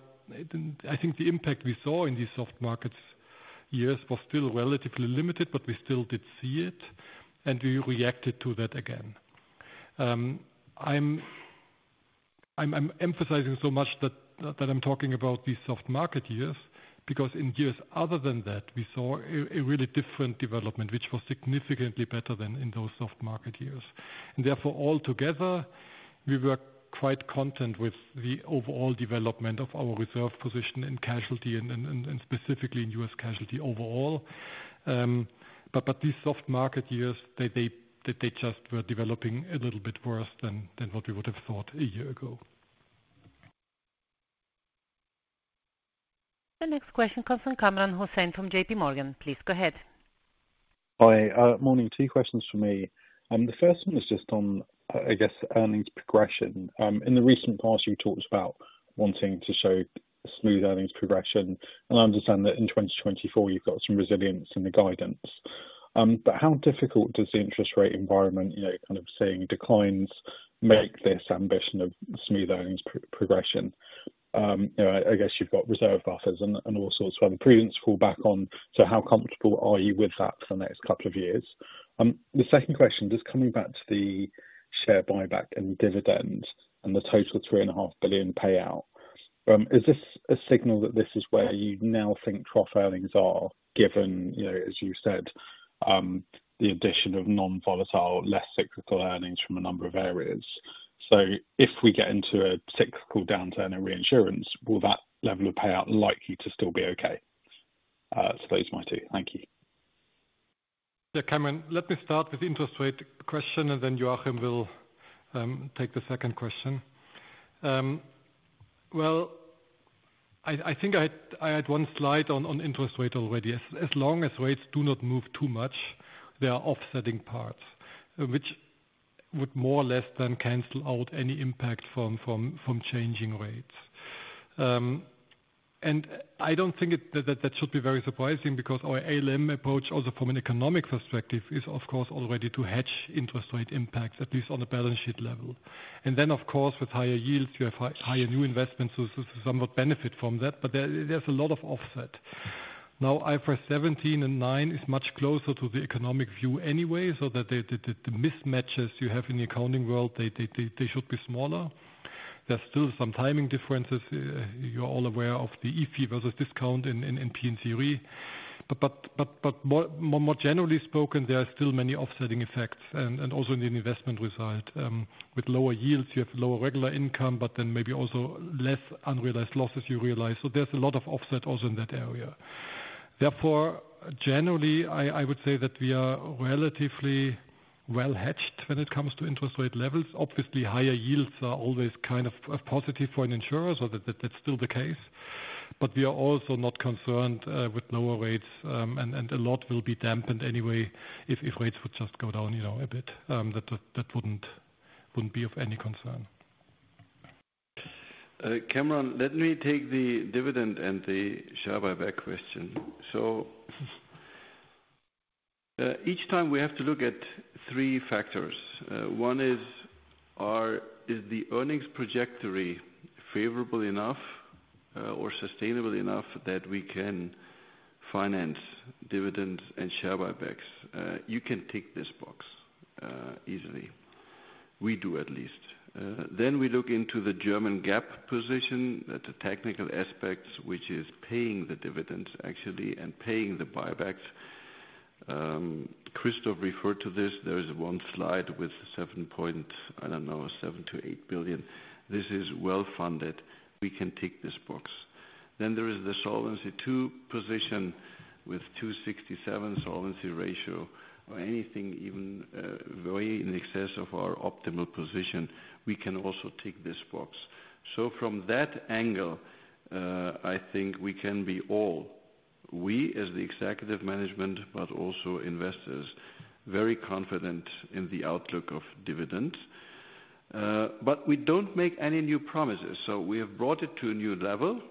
I think the impact we saw in these soft markets years was still relatively limited, but we still did see it. And we reacted to that again. I'm emphasizing so much that I'm talking about these soft market years because in years other than that, we saw a really different development, which was significantly better than in those soft market years. And therefore, altogether, we were quite content with the overall development of our reserve position in Casualty and specifically in U.S. Casualty overall. But these soft market years, they just were developing a little bit worse than what we would have thought a year ago. The next question comes from Kamran Hossain from JPMorgan. Please go ahead. Hi. Morning. Two questions for me. The first one is just on, I guess, earnings progression. In the recent past, you've talked about wanting to show smooth earnings progression. I understand that in 2024, you've got some resilience in the guidance. But how difficult does the interest rate environment, kind of seeing declines, make this ambition of smooth earnings progression? I guess you've got reserve buffers and all sorts of other prudence fall back on. So how comfortable are you with that for the next couple of years? The second question, just coming back to the share buyback and dividend and the total 3.5 billion payout, is this a signal that this is where you now think trough earnings are, given, as you said, the addition of non-volatile, less cyclical earnings from a number of areas? So if we get into a cyclical downturn in Reinsurance, will that level of payout likely to still be okay? So those are my two. Thank you. Yeah, Kamran, let me start with the interest rate question, and then Joachim will take the second question. Well, I think I had one slide on interest rate already. As long as rates do not move too much, they are offsetting parts, which would more or less then cancel out any impact from changing rates. And I don't think that should be very surprising because our ALM approach, also from an economic perspective, is, of course, already to hedge interest rate impacts, at least on a balance sheet level. And then, of course, with higher yields, you have higher new investments, so some would benefit from that. But there's a lot of offset. Now, IFRS 17 and IFRS 9 is much closer to the economic view anyway, so that the mismatches you have in the accounting world, they should be smaller. There's still some timing differences. You're all aware of the IFIE versus discount in P&C Re. But more generally spoken, there are still many offsetting effects, and also in the investment result. With lower yields, you have lower regular income, but then maybe also less unrealized losses you realize. So there's a lot of offset also in that area. Therefore, generally, I would say that we are relatively well hedged when it comes to interest rate levels. Obviously, higher yields are always kind of positive for an insurer, so that's still the case. But we are also not concerned with lower rates, and a lot will be dampened anyway if rates would just go down a bit. That wouldn't be of any concern. Kamran, let me take the dividend and the share buyback question. So each time we have to look at three factors. One is, is the earnings trajectory favorable enough or sustainable enough that we can finance dividends and share buybacks? You can tick this box easily. We do, at least. Then we look into the German GAAP position. That's a technical aspect, which is paying the dividends, actually, and paying the buybacks. Christoph referred to this. There is one slide with, I don't know, 7 billion-8 billion. This is well funded. We can tick this box. Then there is the Solvency II position with 267% solvency ratio, or anything even very in excess of our optimal position. We can also tick this box. So from that angle, I think we can be all, we as the executive management, but also investors, very confident in the outlook of dividends. But we don't make any new promises. So we have brought it to a new level.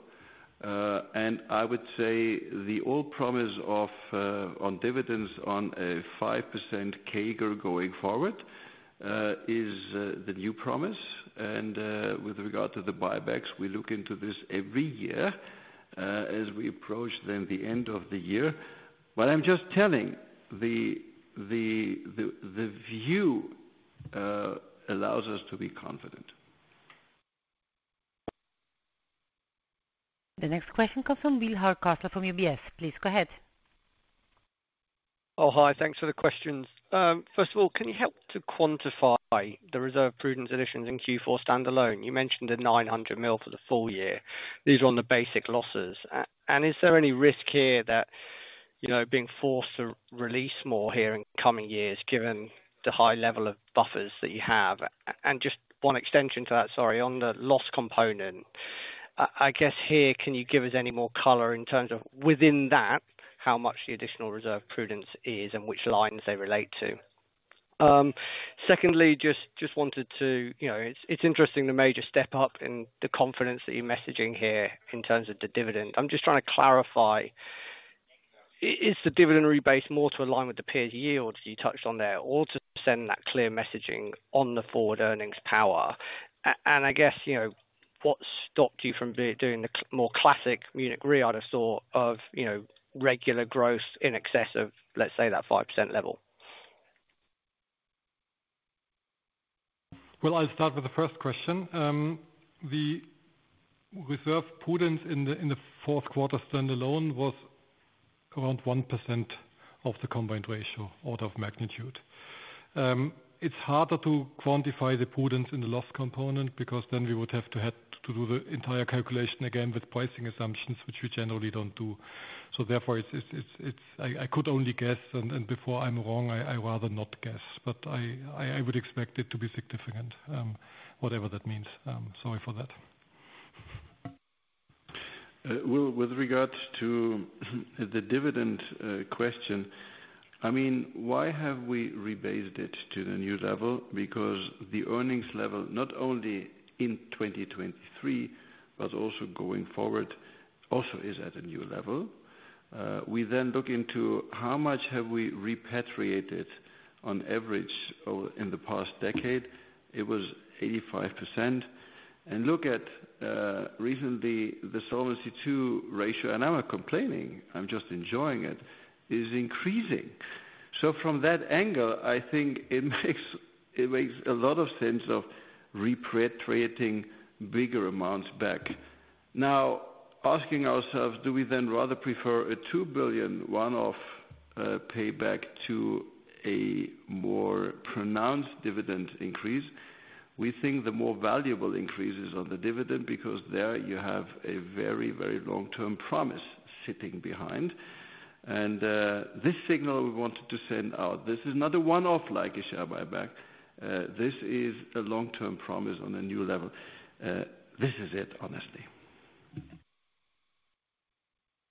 And I would say the old promise on dividends on a 5% CAGR going forward is the new promise. And with regard to the buybacks, we look into this every year as we approach then the end of the year. But I'm just telling, the view allows us to be confident. The next question comes from Will Hardcastle from UBS. Please go ahead. Oh, hi. Thanks for the questions. First of all, can you help to quantify the reserve prudence additions in Q4 standalone? You mentioned the 900 million for the full year. These are on the basic losses. Is there any risk here that being forced to release more here in coming years, given the high level of buffers that you have? Just one extension to that, sorry, on the Loss Component, I guess here, can you give us any more color in terms of within that, how much the additional reserve prudence is and which lines they relate to? Secondly, just wanted to it's interesting, the major step up in the confidence that you're messaging here in terms of the dividend. I'm just trying to clarify, is the dividend rebase more to align with the peers' yields you touched on there, or to send that clear messaging on the forward earnings power? I guess, what stopped you from doing the more classic Munich Re, I'd have thought, of regular growth in excess of, let's say, that 5% level? Well, I'll start with the first question. The reserve prudence in the fourth quarter standalone was around 1% of the combined ratio, order of magnitude. It's harder to quantify the prudence in the Loss Component because then we would have to do the entire calculation again with pricing assumptions, which we generally don't do. So therefore, I could only guess. And before I'm wrong, I'd rather not guess. But I would expect it to be significant, whatever that means. Sorry for that. With regard to the dividend question, I mean, why have we rebased it to the new level? Because the earnings level, not only in 2023, but also going forward, also is at a new level. We then look into, how much have we repatriated on average in the past decade? It was 85%. And look at recently, the Solvency II ratio, and I'm not complaining. I'm just enjoying it, is increasing. So from that angle, I think it makes a lot of sense of repatriating bigger amounts back. Now, asking ourselves, do we then rather prefer a 2 billion one-off payback to a more pronounced dividend increase? We think the more valuable increases on the dividend because there you have a very, very long-term promise sitting behind. And this signal we wanted to send out, this is not a one-off-like share buyback. This is a long-term promise on a new level. This is it, honestly.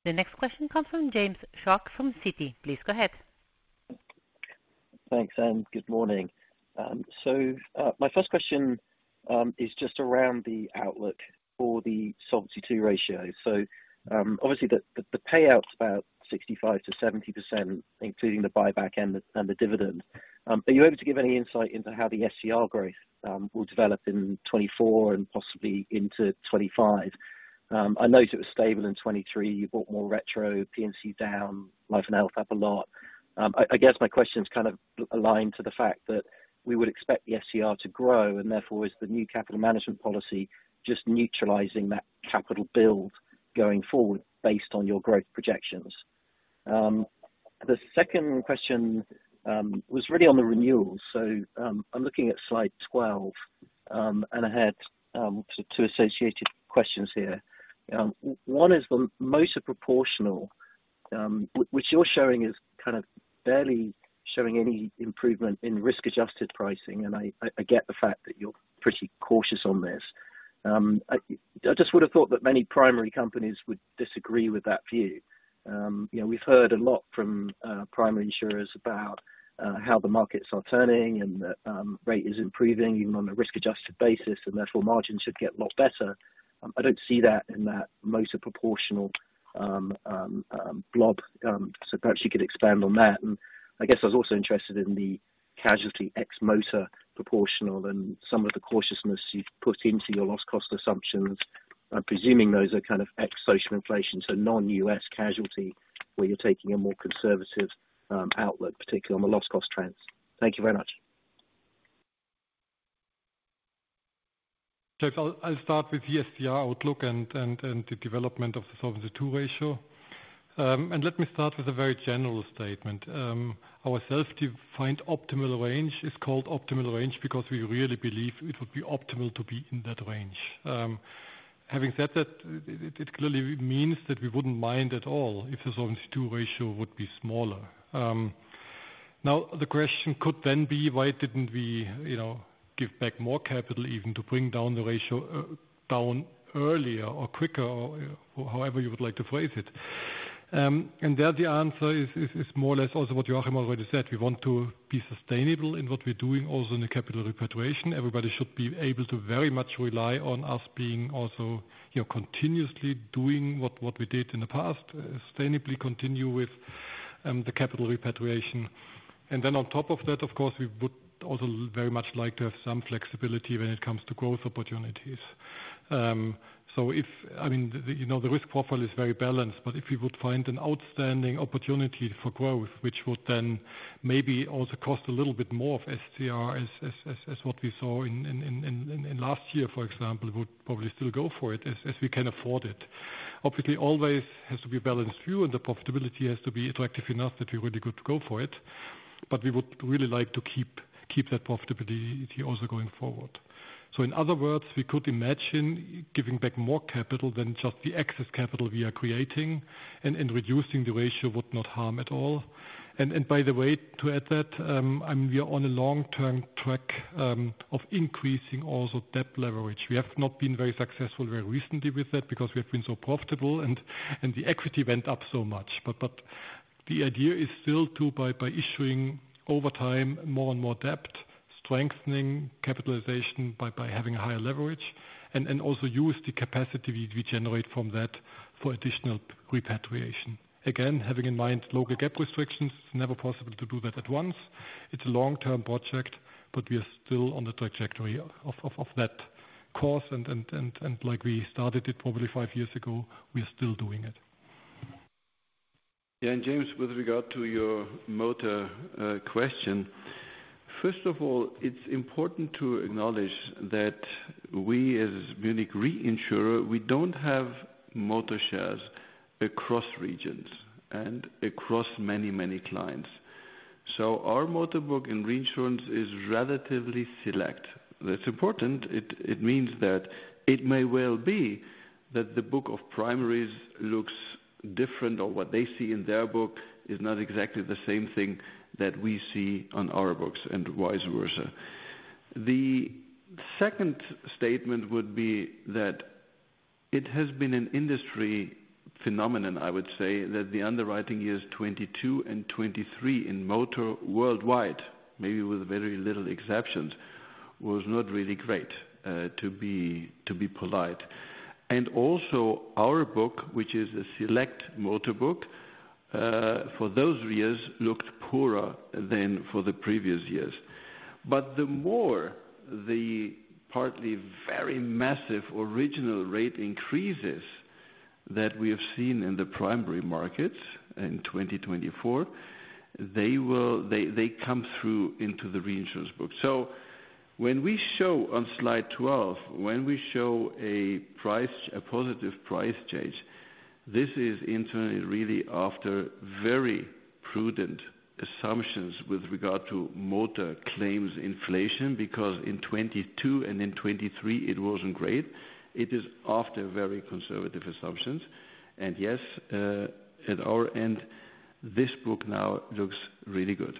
The next question comes from James Shuck from Citi. Please go ahead. Thanks, Anne. Good morning. So my first question is just around the outlook for the Solvency II ratio. So obviously, the payout is about 65%-70%, including the buyback and the dividend. Are you able to give any insight into how the SCR growth will develop in 2024 and possibly into 2025? I noted it was stable in 2023. You bought more retro, P&C down, Life and Health up a lot. I guess my question's kind of aligned to the fact that we would expect the SCR to grow, and therefore, is the new capital management policy just neutralizing that capital build going forward based on your growth projections? The second question was really on the renewals. So I'm looking at slide 12, and I had sort of two associated questions here. One is the most proportional, which you're showing is kind of barely showing any improvement in risk-adjusted pricing. And I get the fact that you're pretty cautious on this. I just would have thought that many primary companies would disagree with that view. We've heard a lot from primary insurers about how the markets are turning and the rate is improving, even on a risk-adjusted basis, and therefore, margins should get a lot better. I don't see that in that most proportional blob. So perhaps you could expand on that. And I guess I was also interested in the Casualty ex-Motor Proportional and some of the cautiousness you've put into your loss cost assumptions. I'm presuming those are kind of ex-social inflation, so non-U.S. Casualty, where you're taking a more conservative outlook, particularly on the loss cost trends. Thank you very much. So I'll start with the SCR outlook and the development of the Solvency II ratio. And let me start with a very general statement. Our self-defined optimal range is called optimal range because we really believe it would be optimal to be in that range. Having said that, it clearly means that we wouldn't mind at all if the Solvency II ratio would be smaller. Now, the question could then be, why didn't we give back more capital, even to bring down the ratio down earlier or quicker, or however you would like to phrase it? And there the answer is more or less also what Joachim already said. We want to be sustainable in what we're doing, also in the capital repatriation. Everybody should be able to very much rely on us being also continuously doing what we did in the past, sustainably continue with the capital repatriation. And then on top of that, of course, we would also very much like to have some flexibility when it comes to growth opportunities. So I mean, the risk profile is very balanced, but if we would find an outstanding opportunity for growth, which would then maybe also cost a little bit more of SCR as what we saw in last year, for example, we would probably still go for it as we can afford it. Obviously, always has to be a balanced view, and the profitability has to be attractive enough that we're really good to go for it. But we would really like to keep that profitability also going forward. So in other words, we could imagine giving back more capital than just the excess capital we are creating, and reducing the ratio would not harm at all. And by the way, to add that, we are on a long-term track of increasing also debt leverage. We have not been very successful very recently with that because we have been so profitable, and the equity went up so much. But the idea is still to, by issuing over time, more and more debt, strengthen capitalization by having a higher leverage, and also use the capacity we generate from that for additional repatriation. Again, having in mind local GAAP restrictions, it's never possible to do that at once. It's a long-term project, but we are still on the trajectory of that course. And like we started it probably five years ago, we are still doing it. Yeah. And James, with regard to your Motor question, first of all, it's important to acknowledge that we, as Munich Re insurer, we don't have Motor shares across regions and across many, many clients. So our Motor book in Reinsurance is relatively select. That's important. It means that it may well be that the book of primaries looks different, or what they see in their book is not exactly the same thing that we see on our books, and vice versa. The second statement would be that it has been an industry phenomenon, I would say, that the underwriting years 2022 and 2023 in Motor worldwide, maybe with very little exceptions, was not really great, to be polite. And also, our book, which is a select Motor book, for those years looked poorer than for the previous years. But the more the partly very massive original rate increases that we have seen in the primary markets in 2024, they come through into the Reinsurance book. So when we show on slide 12, when we show a positive price change, this is internally really after very prudent assumptions with regard to Motor claims inflation, because in 2022 and in 2023, it wasn't great. It is after very conservative assumptions. And yes, at our end, this book now looks really good.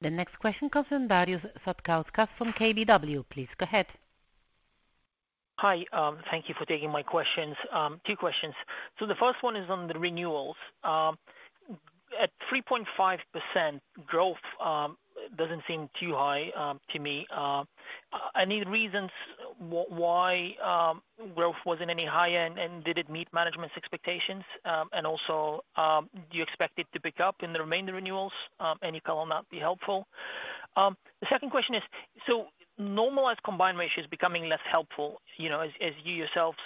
The next question comes from Darius Satkauskas from KBW. Please go ahead. Hi. Thank you for taking my questions. Two questions. So the first one is on the renewals. At 3.5%, growth doesn't seem too high to me. Any reasons why growth wasn't any higher, and did it meet management's expectations? And also, do you expect it to pick up in the remainder renewals? Any column that would be helpful? The second question is, so normalized combined ratios becoming less helpful, as you yourselves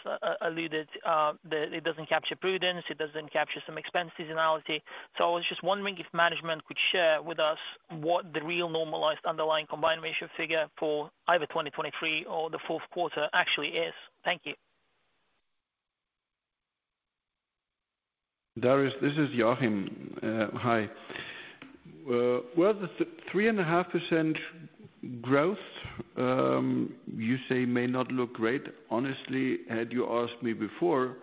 alluded, it doesn't capture prudence. It doesn't capture some expenses analysis. So I was just wondering if management could share with us what the real normalized underlying combined ratio figure for either 2023 or the fourth quarter actually is. Thank you. Darius, this is Joachim. Hi. Well, the 3.5% growth, you say may not look great. Honestly, had you asked me before,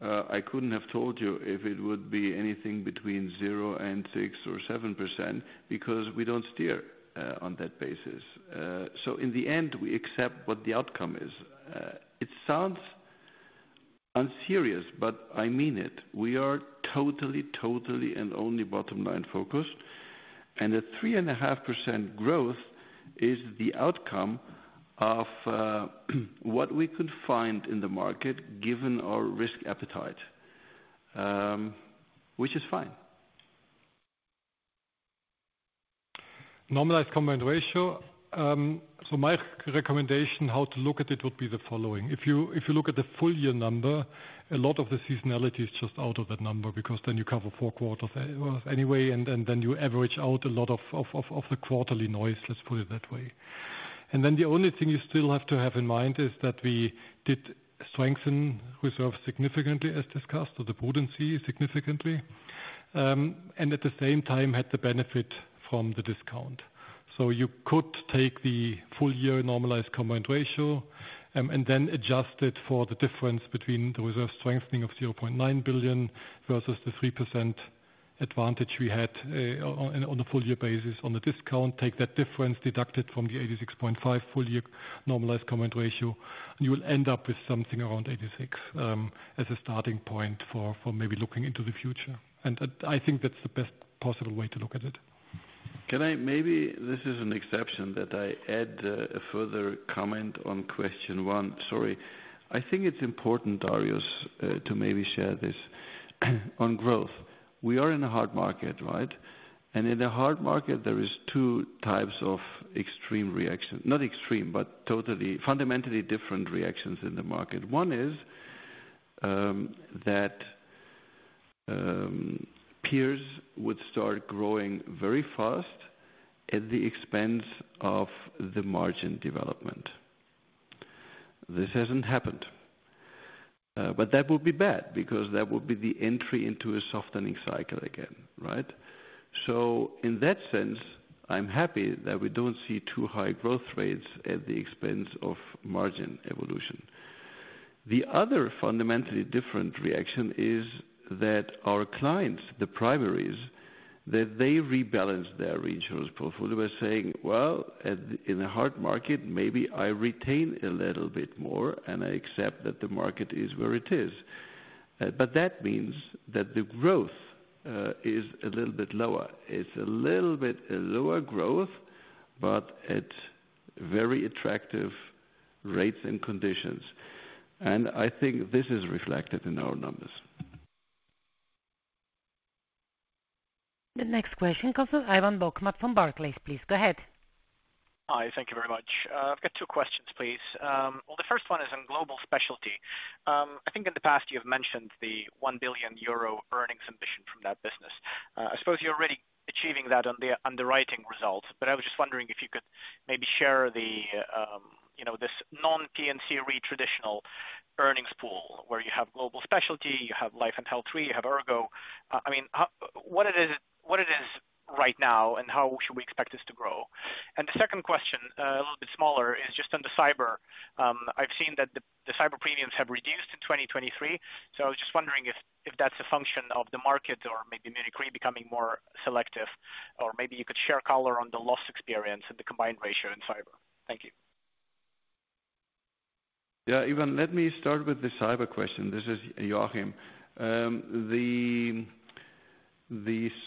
I couldn't have told you if it would be anything between 0% and 6% or 7% because we don't steer on that basis. So in the end, we accept what the outcome is. It sounds unserious, but I mean it. We are totally, totally, and only bottom-line focused. And the 3.5% growth is the outcome of what we could find in the market given our risk appetite, which is fine. Normalized combined ratio? So my recommendation, how to look at it, would be the following. If you look at the full-year number, a lot of the seasonality is just out of that number because then you cover four quarters anyway, and then you average out a lot of the quarterly noise, let's put it that way. And then the only thing you still have to have in mind is that we did strengthen reserves significantly, as discussed, or the prudency significantly, and at the same time, had the benefit from the discount. So you could take the full-year normalized combined ratio and then adjust it for the difference between the reserve strengthening of 0.9 billion versus the 3% advantage we had on a full-year basis on the discount, take that difference deducted from the 86.5% full-year normalized combined ratio, and you will end up with something around 86% as a starting point for maybe looking into the future. I think that's the best possible way to look at it. Can I? Maybe this is an exception that I add a further comment on question one. Sorry. I think it's important, Darius, to maybe share this on growth. We are in a hard market, right? And in a hard market, there are two types of extreme reactions, not extreme, but totally fundamentally different reactions in the market. One is that peers would start growing very fast at the expense of the margin development. This hasn't happened. But that would be bad because that would be the entry into a softening cycle again, right? So in that sense, I'm happy that we don't see too high growth rates at the expense of margin evolution. The other fundamentally different reaction is that our clients, the primaries, that they rebalance their Reinsurance portfolio by saying, "Well, in a hard market, maybe I retain a little bit more, and I accept that the market is where it is." But that means that the growth is a little bit lower. It's a little bit lower growth, but at very attractive rates and conditions. And I think this is reflected in our numbers. The next question comes from Ivan Bokhmat from Barclays. Please go ahead. Hi. Thank you very much. I've got two questions, please. Well, the first one is on Global Specialty. I think in the past, you have mentioned the 1 billion euro earnings ambition from that business. I suppose you're already achieving that on the underwriting results, but I was just wondering if you could maybe share this non-P&C Re traditional earnings pool where you have Global Specialty, you have Life and Health Re, you have ERGO. I mean, what it is right now, and how should we expect this to grow? And the second question, a little bit smaller, is just on the cyber. I've seen that the cyber premiums have reduced in 2023. So I was just wondering if that's a function of the market or maybe Munich Re becoming more selective, or maybe you could share color on the loss experience and the combined ratio in cyber. Thank you. Yeah. Ivan, let me start with the cyber question. This is Joachim. The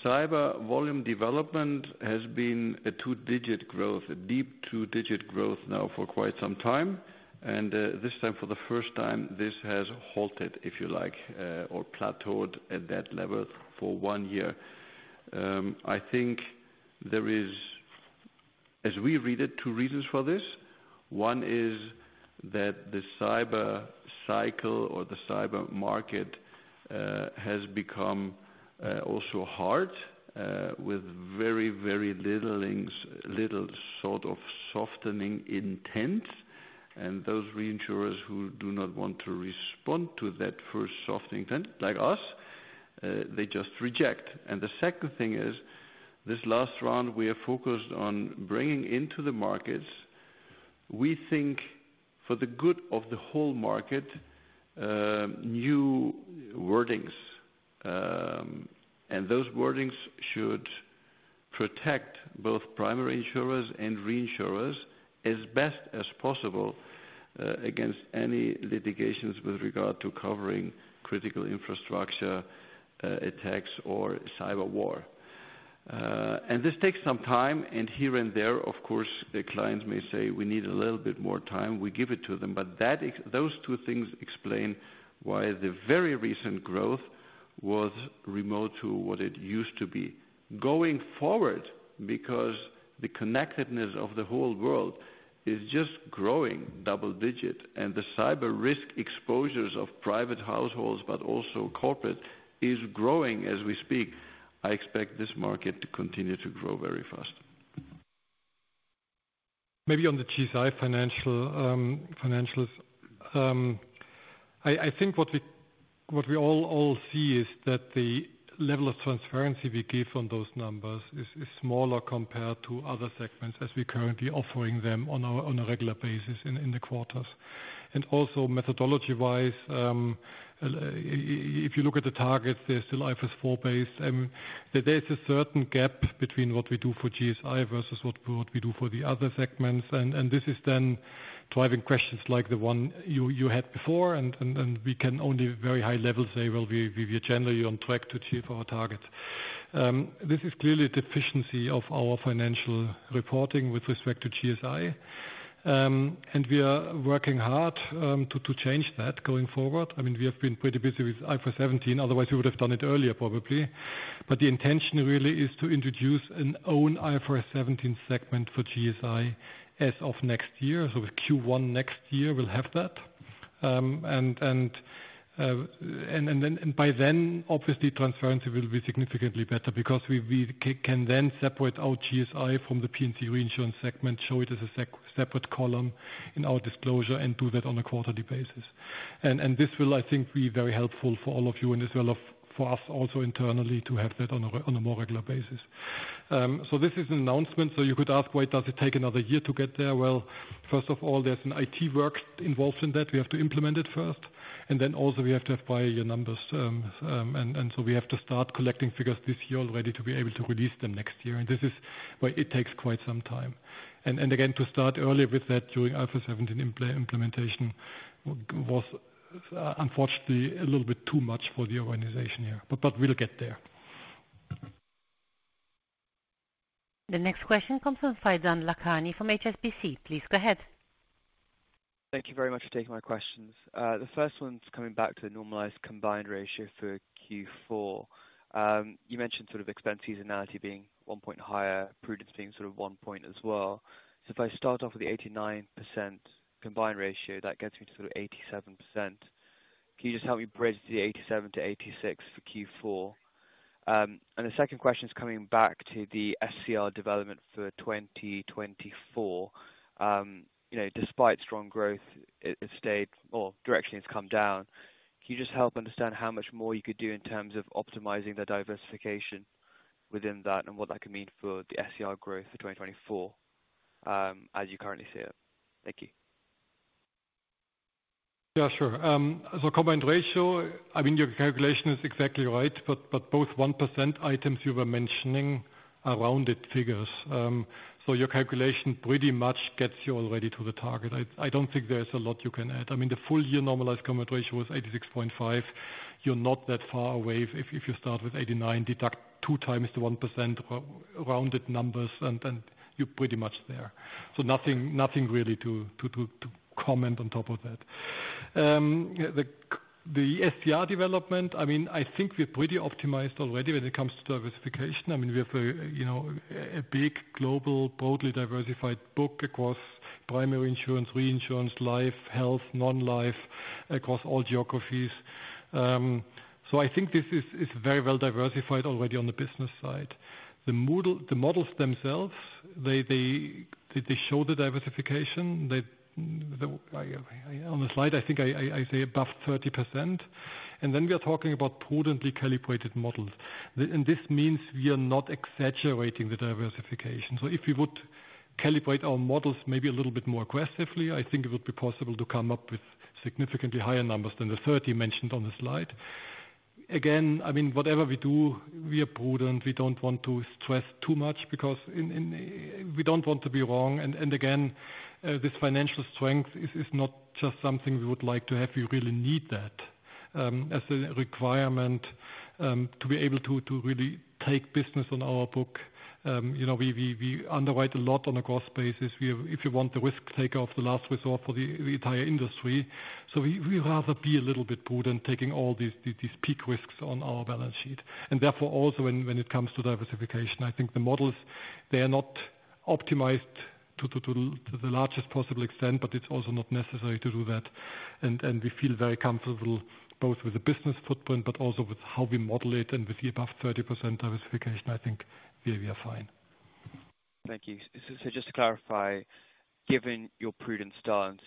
cyber volume development has been a two-digit growth, a deep two-digit growth now for quite some time. And this time, for the first time, this has halted, if you like, or plateaued at that level for one year. I think there is, as we read it, two reasons for this. One is that the cyber cycle or the cyber market has become also hard with very, very little sort of softening intent. And those reinsurers who do not want to respond to that first softening intent, like us, they just reject. And the second thing is, this last round, we are focused on bringing into the markets, we think, for the good of the whole market, new wordings. And those wordings should protect both primary insurers and reinsurers as best as possible against any litigations with regard to covering critical infrastructure attacks or cyber war. And this takes some time. And here and there, of course, clients may say, "We need a little bit more time." We give it to them. But those two things explain why the very recent growth was remote to what it used to be. Going forward, because the connectedness of the whole world is just growing, double-digit, and the cyber risk exposures of private households, but also corporate, is growing as we speak. I expect this market to continue to grow very fast. Maybe on the GSI financials. I think what we all see is that the level of transparency we give on those numbers is smaller compared to other segments as we're currently offering them on a regular basis in the quarters. And also, methodology-wise, if you look at the targets, they're still IFRS 4-based. There's a certain gap between what we do for GSI versus what we do for the other segments. And this is then driving questions like the one you had before. And we can only, at very high level, say, "Well, we are generally on track to achieve our targets." This is clearly a deficiency of our financial reporting with respect to GSI. And we are working hard to change that going forward. I mean, we have been pretty busy with IFRS 17. Otherwise, we would have done it earlier, probably. But the intention really is to introduce an own IFRS 17 segment for GSI as of next year. So Q1 next year, we'll have that. And by then, obviously, transparency will be significantly better because we can then separate out GSI from the P&C Reinsurance segment, show it as a separate column in our disclosure, and do that on a quarterly basis. This will, I think, be very helpful for all of you and as well for us also internally to have that on a more regular basis. This is an announcement. So you could ask, "Why does it take another year to get there?" Well, first of all, there's an IT work involved in that. We have to implement it first. Then also, we have to have prior year numbers. So we have to start collecting figures this year already to be able to release them next year. This is why it takes quite some time. Again, to start early with that during IFRS 17 implementation was unfortunately a little bit too much for the organization here. But we'll get there. The next question comes from Faizan Lakhani from HSBC. Please go ahead. Thank you very much for taking my questions. The first one's coming back to normalized combined ratio for Q4. You mentioned sort of expenses analysis being one point higher, prudence being sort of one point as well. So if I start off with the 89% combined ratio, that gets me to sort of 87%. Can you just help me bridge the 87% to 86% for Q4? And the second question's coming back to the SCR development for 2024. Despite strong growth, it's stayed well, directionally it's come down. Can you just help understand how much more you could do in terms of optimizing the diversification within that and what that could mean for the SCR growth for 2024 as you currently see it? Thank you. Yeah, sure. So combined ratio, I mean, your calculation is exactly right, but both 1% items you were mentioning around it figures. So your calculation pretty much gets you already to the target. I don't think there's a lot you can add. I mean, the full-year normalized combined ratio was 86.5%. You're not that far away if you start with 89%. Deduct two times the 1% rounded numbers, and you're pretty much there. So nothing really to comment on top of that. The SCR development, I mean, I think we're pretty optimized already when it comes to diversification. I mean, we have a big, global, broadly diversified book across Primary insurance, Reinsurance, Life, Health, Non-Life, across all geographies. So I think this is very well diversified already on the business side. The models themselves, they show the diversification. On the slide, I think I say above 30%. And then we are talking about prudently calibrated models. And this means we are not exaggerating the diversification. So if we would calibrate our models maybe a little bit more aggressively, I think it would be possible to come up with significantly higher numbers than the 30 mentioned on the slide. Again, I mean, whatever we do, we are prudent. We don't want to stress too much because we don't want to be wrong. And again, this financial strength is not just something we would like to have. We really need that as a requirement to be able to really take business on our book. We underwrite a lot on a cost basis. If you want the risk taker of the last resort for the entire industry. So we'd rather be a little bit prudent taking all these peak risks on our balance sheet. And therefore, also, when it comes to diversification, I think the models, they are not optimized to the largest possible extent, but it's also not necessary to do that. And we feel very comfortable both with the business footprint, but also with how we model it, and with the above 30% diversification, I think we are fine. Thank you. So just to clarify, given your prudence stance,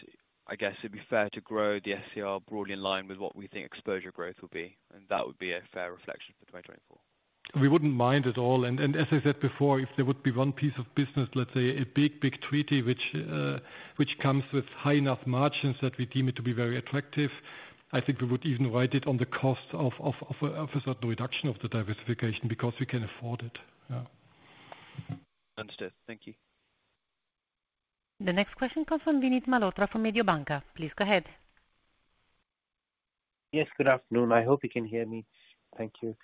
I guess it'd be fair to grow the SCR broadly in line with what we think exposure growth will be. And that would be a fair reflection for 2024. We wouldn't mind at all. And as I said before, if there would be one piece of business, let's say a big, big treaty, which comes with high enough margins that we deem it to be very attractive, I think we would even write it on the cost of a certain reduction of the diversification because we can afford it. Yeah. Understood. Thank you. The next question comes from Vinit Malhotra from Mediobanca. Please go ahead. Yes, good afternoon. I hope you can hear me. Thank you.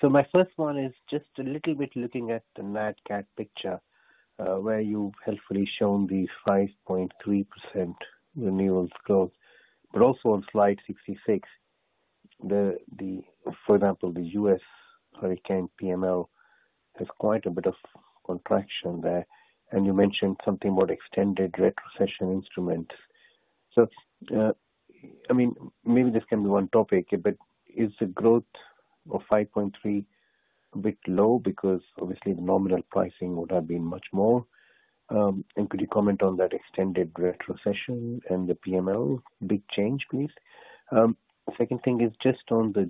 So my first one is just a little bit looking at the NatCat picture where you've helpfully shown the 5.3% renewals growth, but also on slide 66, for example, the U.S. Hurricane PML has quite a bit of contraction there. And you mentioned something about extended retrocession instruments. So I mean, maybe this can be one topic, but is the growth of 5.3 a bit low because obviously, the nominal pricing would have been much more? And could you comment on that extended retrocession and the PML? Big change, please. Second thing is just on the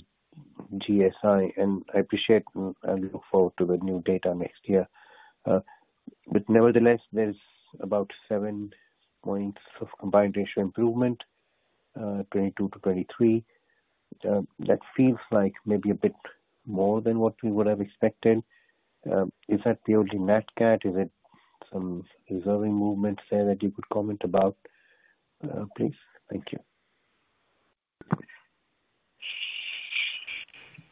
GSI. And I appreciate and look forward to the new data next year. But nevertheless, there's about 7 points of combined ratio improvement, 2022-2023. That feels like maybe a bit more than what we would have expected. Is that purely NatCat? Is it some reserving movement there that you could comment about, please? Thank you.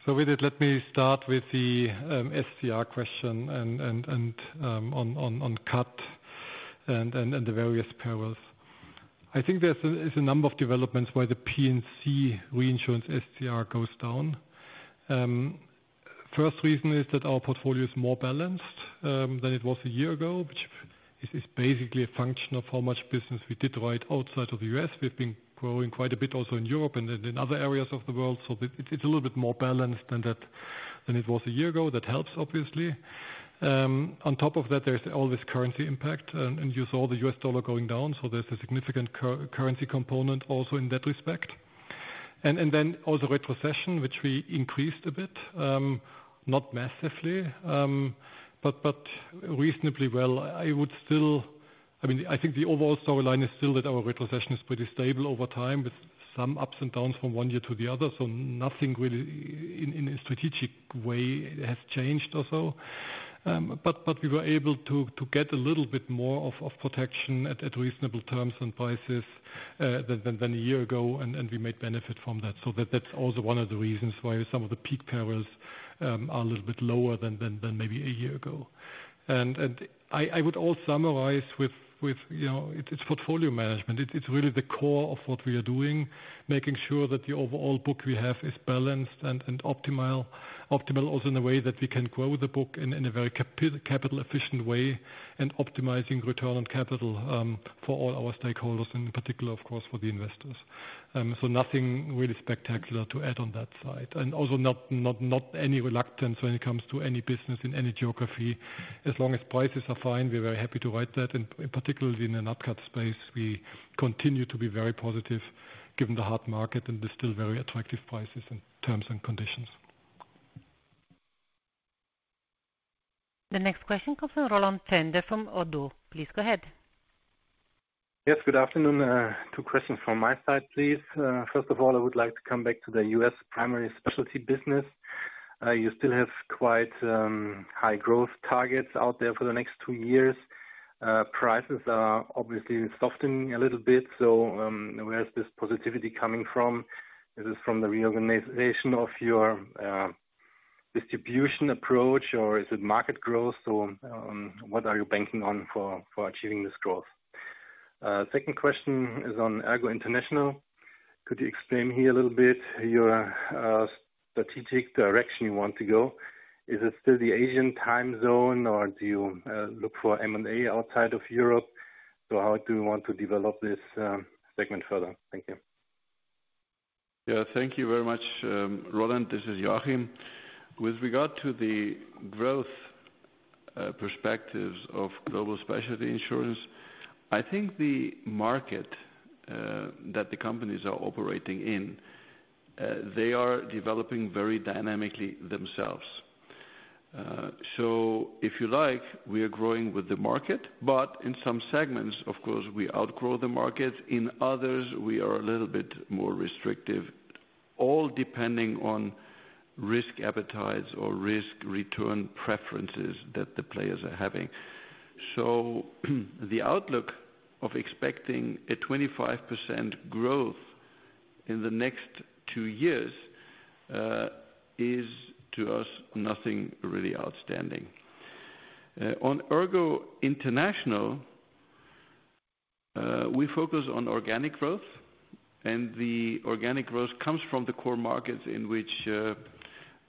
So with it, let me start with the SCR question and on cat and the various perils. I think there's a number of developments where the P&C Reinsurance SCR goes down. First reason is that our portfolio is more balanced than it was a year ago, which is basically a function of how much business we did right outside of the U.S. We've been growing quite a bit also in Europe and in other areas of the world. So it's a little bit more balanced than it was a year ago. That helps, obviously. On top of that, there's always currency impact. And you saw the U.S. dollar going down. So there's a significant currency component also in that respect. And then also retrocession, which we increased a bit, not massively, but reasonably well. I mean, I think the overall storyline is still that our retrocession is pretty stable over time with some ups and downs from one year to the other. So nothing really in a strategic way has changed or so. But we were able to get a little bit more of protection at reasonable terms and prices than a year ago. And we made benefit from that. So that's also one of the reasons why some of the peak perils are a little bit lower than maybe a year ago. And I would also summarize with it's portfolio management. It's really the core of what we are doing, making sure that the overall book we have is balanced and optimal also in a way that we can grow the book in a very capital-efficient way and optimizing return on capital for all our stakeholders, and in particular, of course, for the investors. So nothing really spectacular to add on that side. And also not any reluctance when it comes to any business in any geography. As long as prices are fine, we're very happy to write that. Particularly in the NatCat space, we continue to be very positive given the hard market and the still very attractive prices and terms and conditions. The next question comes from Roland Pfänder from Oddo. Please go ahead. Yes, good afternoon. Two questions from my side, please. First of all, I would like to come back to the U.S. Primary Specialty business. You still have quite high growth targets out there for the next two years. Prices are obviously softening a little bit. So where's this positivity coming from? Is it from the reorganization of your distribution approach, or is it market growth? So what are you banking on for achieving this growth? Second question is on ERGO International. Could you explain here a little bit your strategic direction you want to go? Is it still the Asian time zone, or do you look for M&A outside of Europe? So how do you want to develop this segment further? Thank you. Yeah, thank you very much, Roland. This is Joachim. With regard to the growth perspectives of Global Specialty Insurance, I think the market that the companies are operating in, they are developing very dynamically themselves. So if you like, we are growing with the market. But in some segments, of course, we outgrow the market. In others, we are a little bit more restrictive, all depending on risk appetites or risk return preferences that the players are having. So the outlook of expecting a 25% growth in the next two years is to us nothing really outstanding. On ERGO International, we focus on organic growth. And the organic growth comes from the core markets in which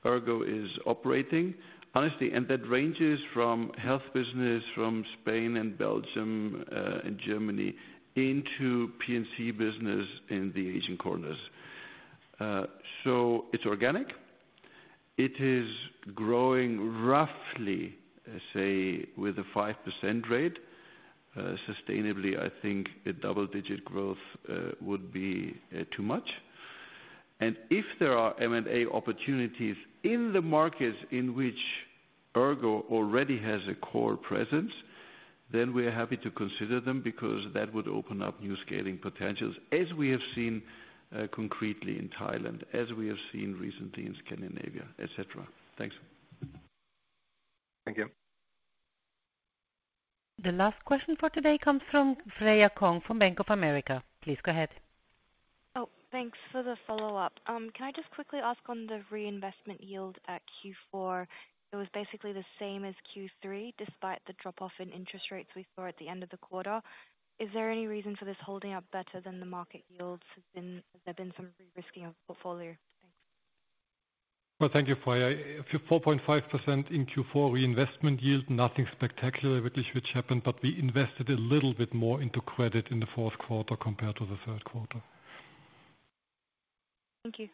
ERGO is operating, honestly. And that ranges from Health business, from Spain and Belgium and Germany, into P&C business in the Asian corners. So it's organic. It is growing roughly, say, with a 5% rate. Sustainably, I think a double-digit growth would be too much. And if there are M&A opportunities in the markets in which ERGO already has a core presence, then we are happy to consider them because that would open up new scaling potentials as we have seen concretely in Thailand, as we have seen recently in Scandinavia, etc. Thanks. Thank you. The last question for today comes from Freya Kong from Bank of America. Please go ahead. Oh, thanks for the follow-up. Can I just quickly ask on the reinvestment yield at Q4? It was basically the same as Q3 despite the drop-off in interest rates we saw at the end of the quarter. Is there any reason for this holding up better than the market yields? There's been some re-risking of the portfolio. Thanks. Well, thank you, Freya. 4.5% in Q4 reinvestment yield. Nothing spectacular really which happened. But we invested a little bit more into credit in the fourth quarter compared to the third quarter. Thank you.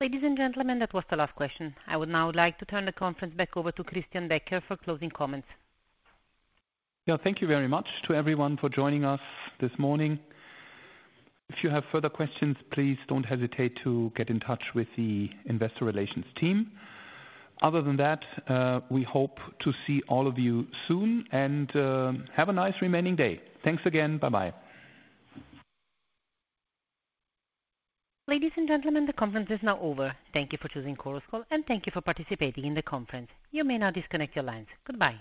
Ladies and gentlemen, that was the last question. I would now like to turn the conference back over to Christian Becker-Hussong for closing comments. Yeah. Thank you very much to everyone for joining us this morning. If you have further questions, please don't hesitate to get in touch with the Investor Relations team. Other than that, we hope to see all of you soon. And have a nice remaining day. Thanks again. Bye-bye. Ladies and gentlemen, the conference is now over. Thank you for choosing Chorus Call, and thank you for participating in the conference. You may now disconnect your lines. Goodbye.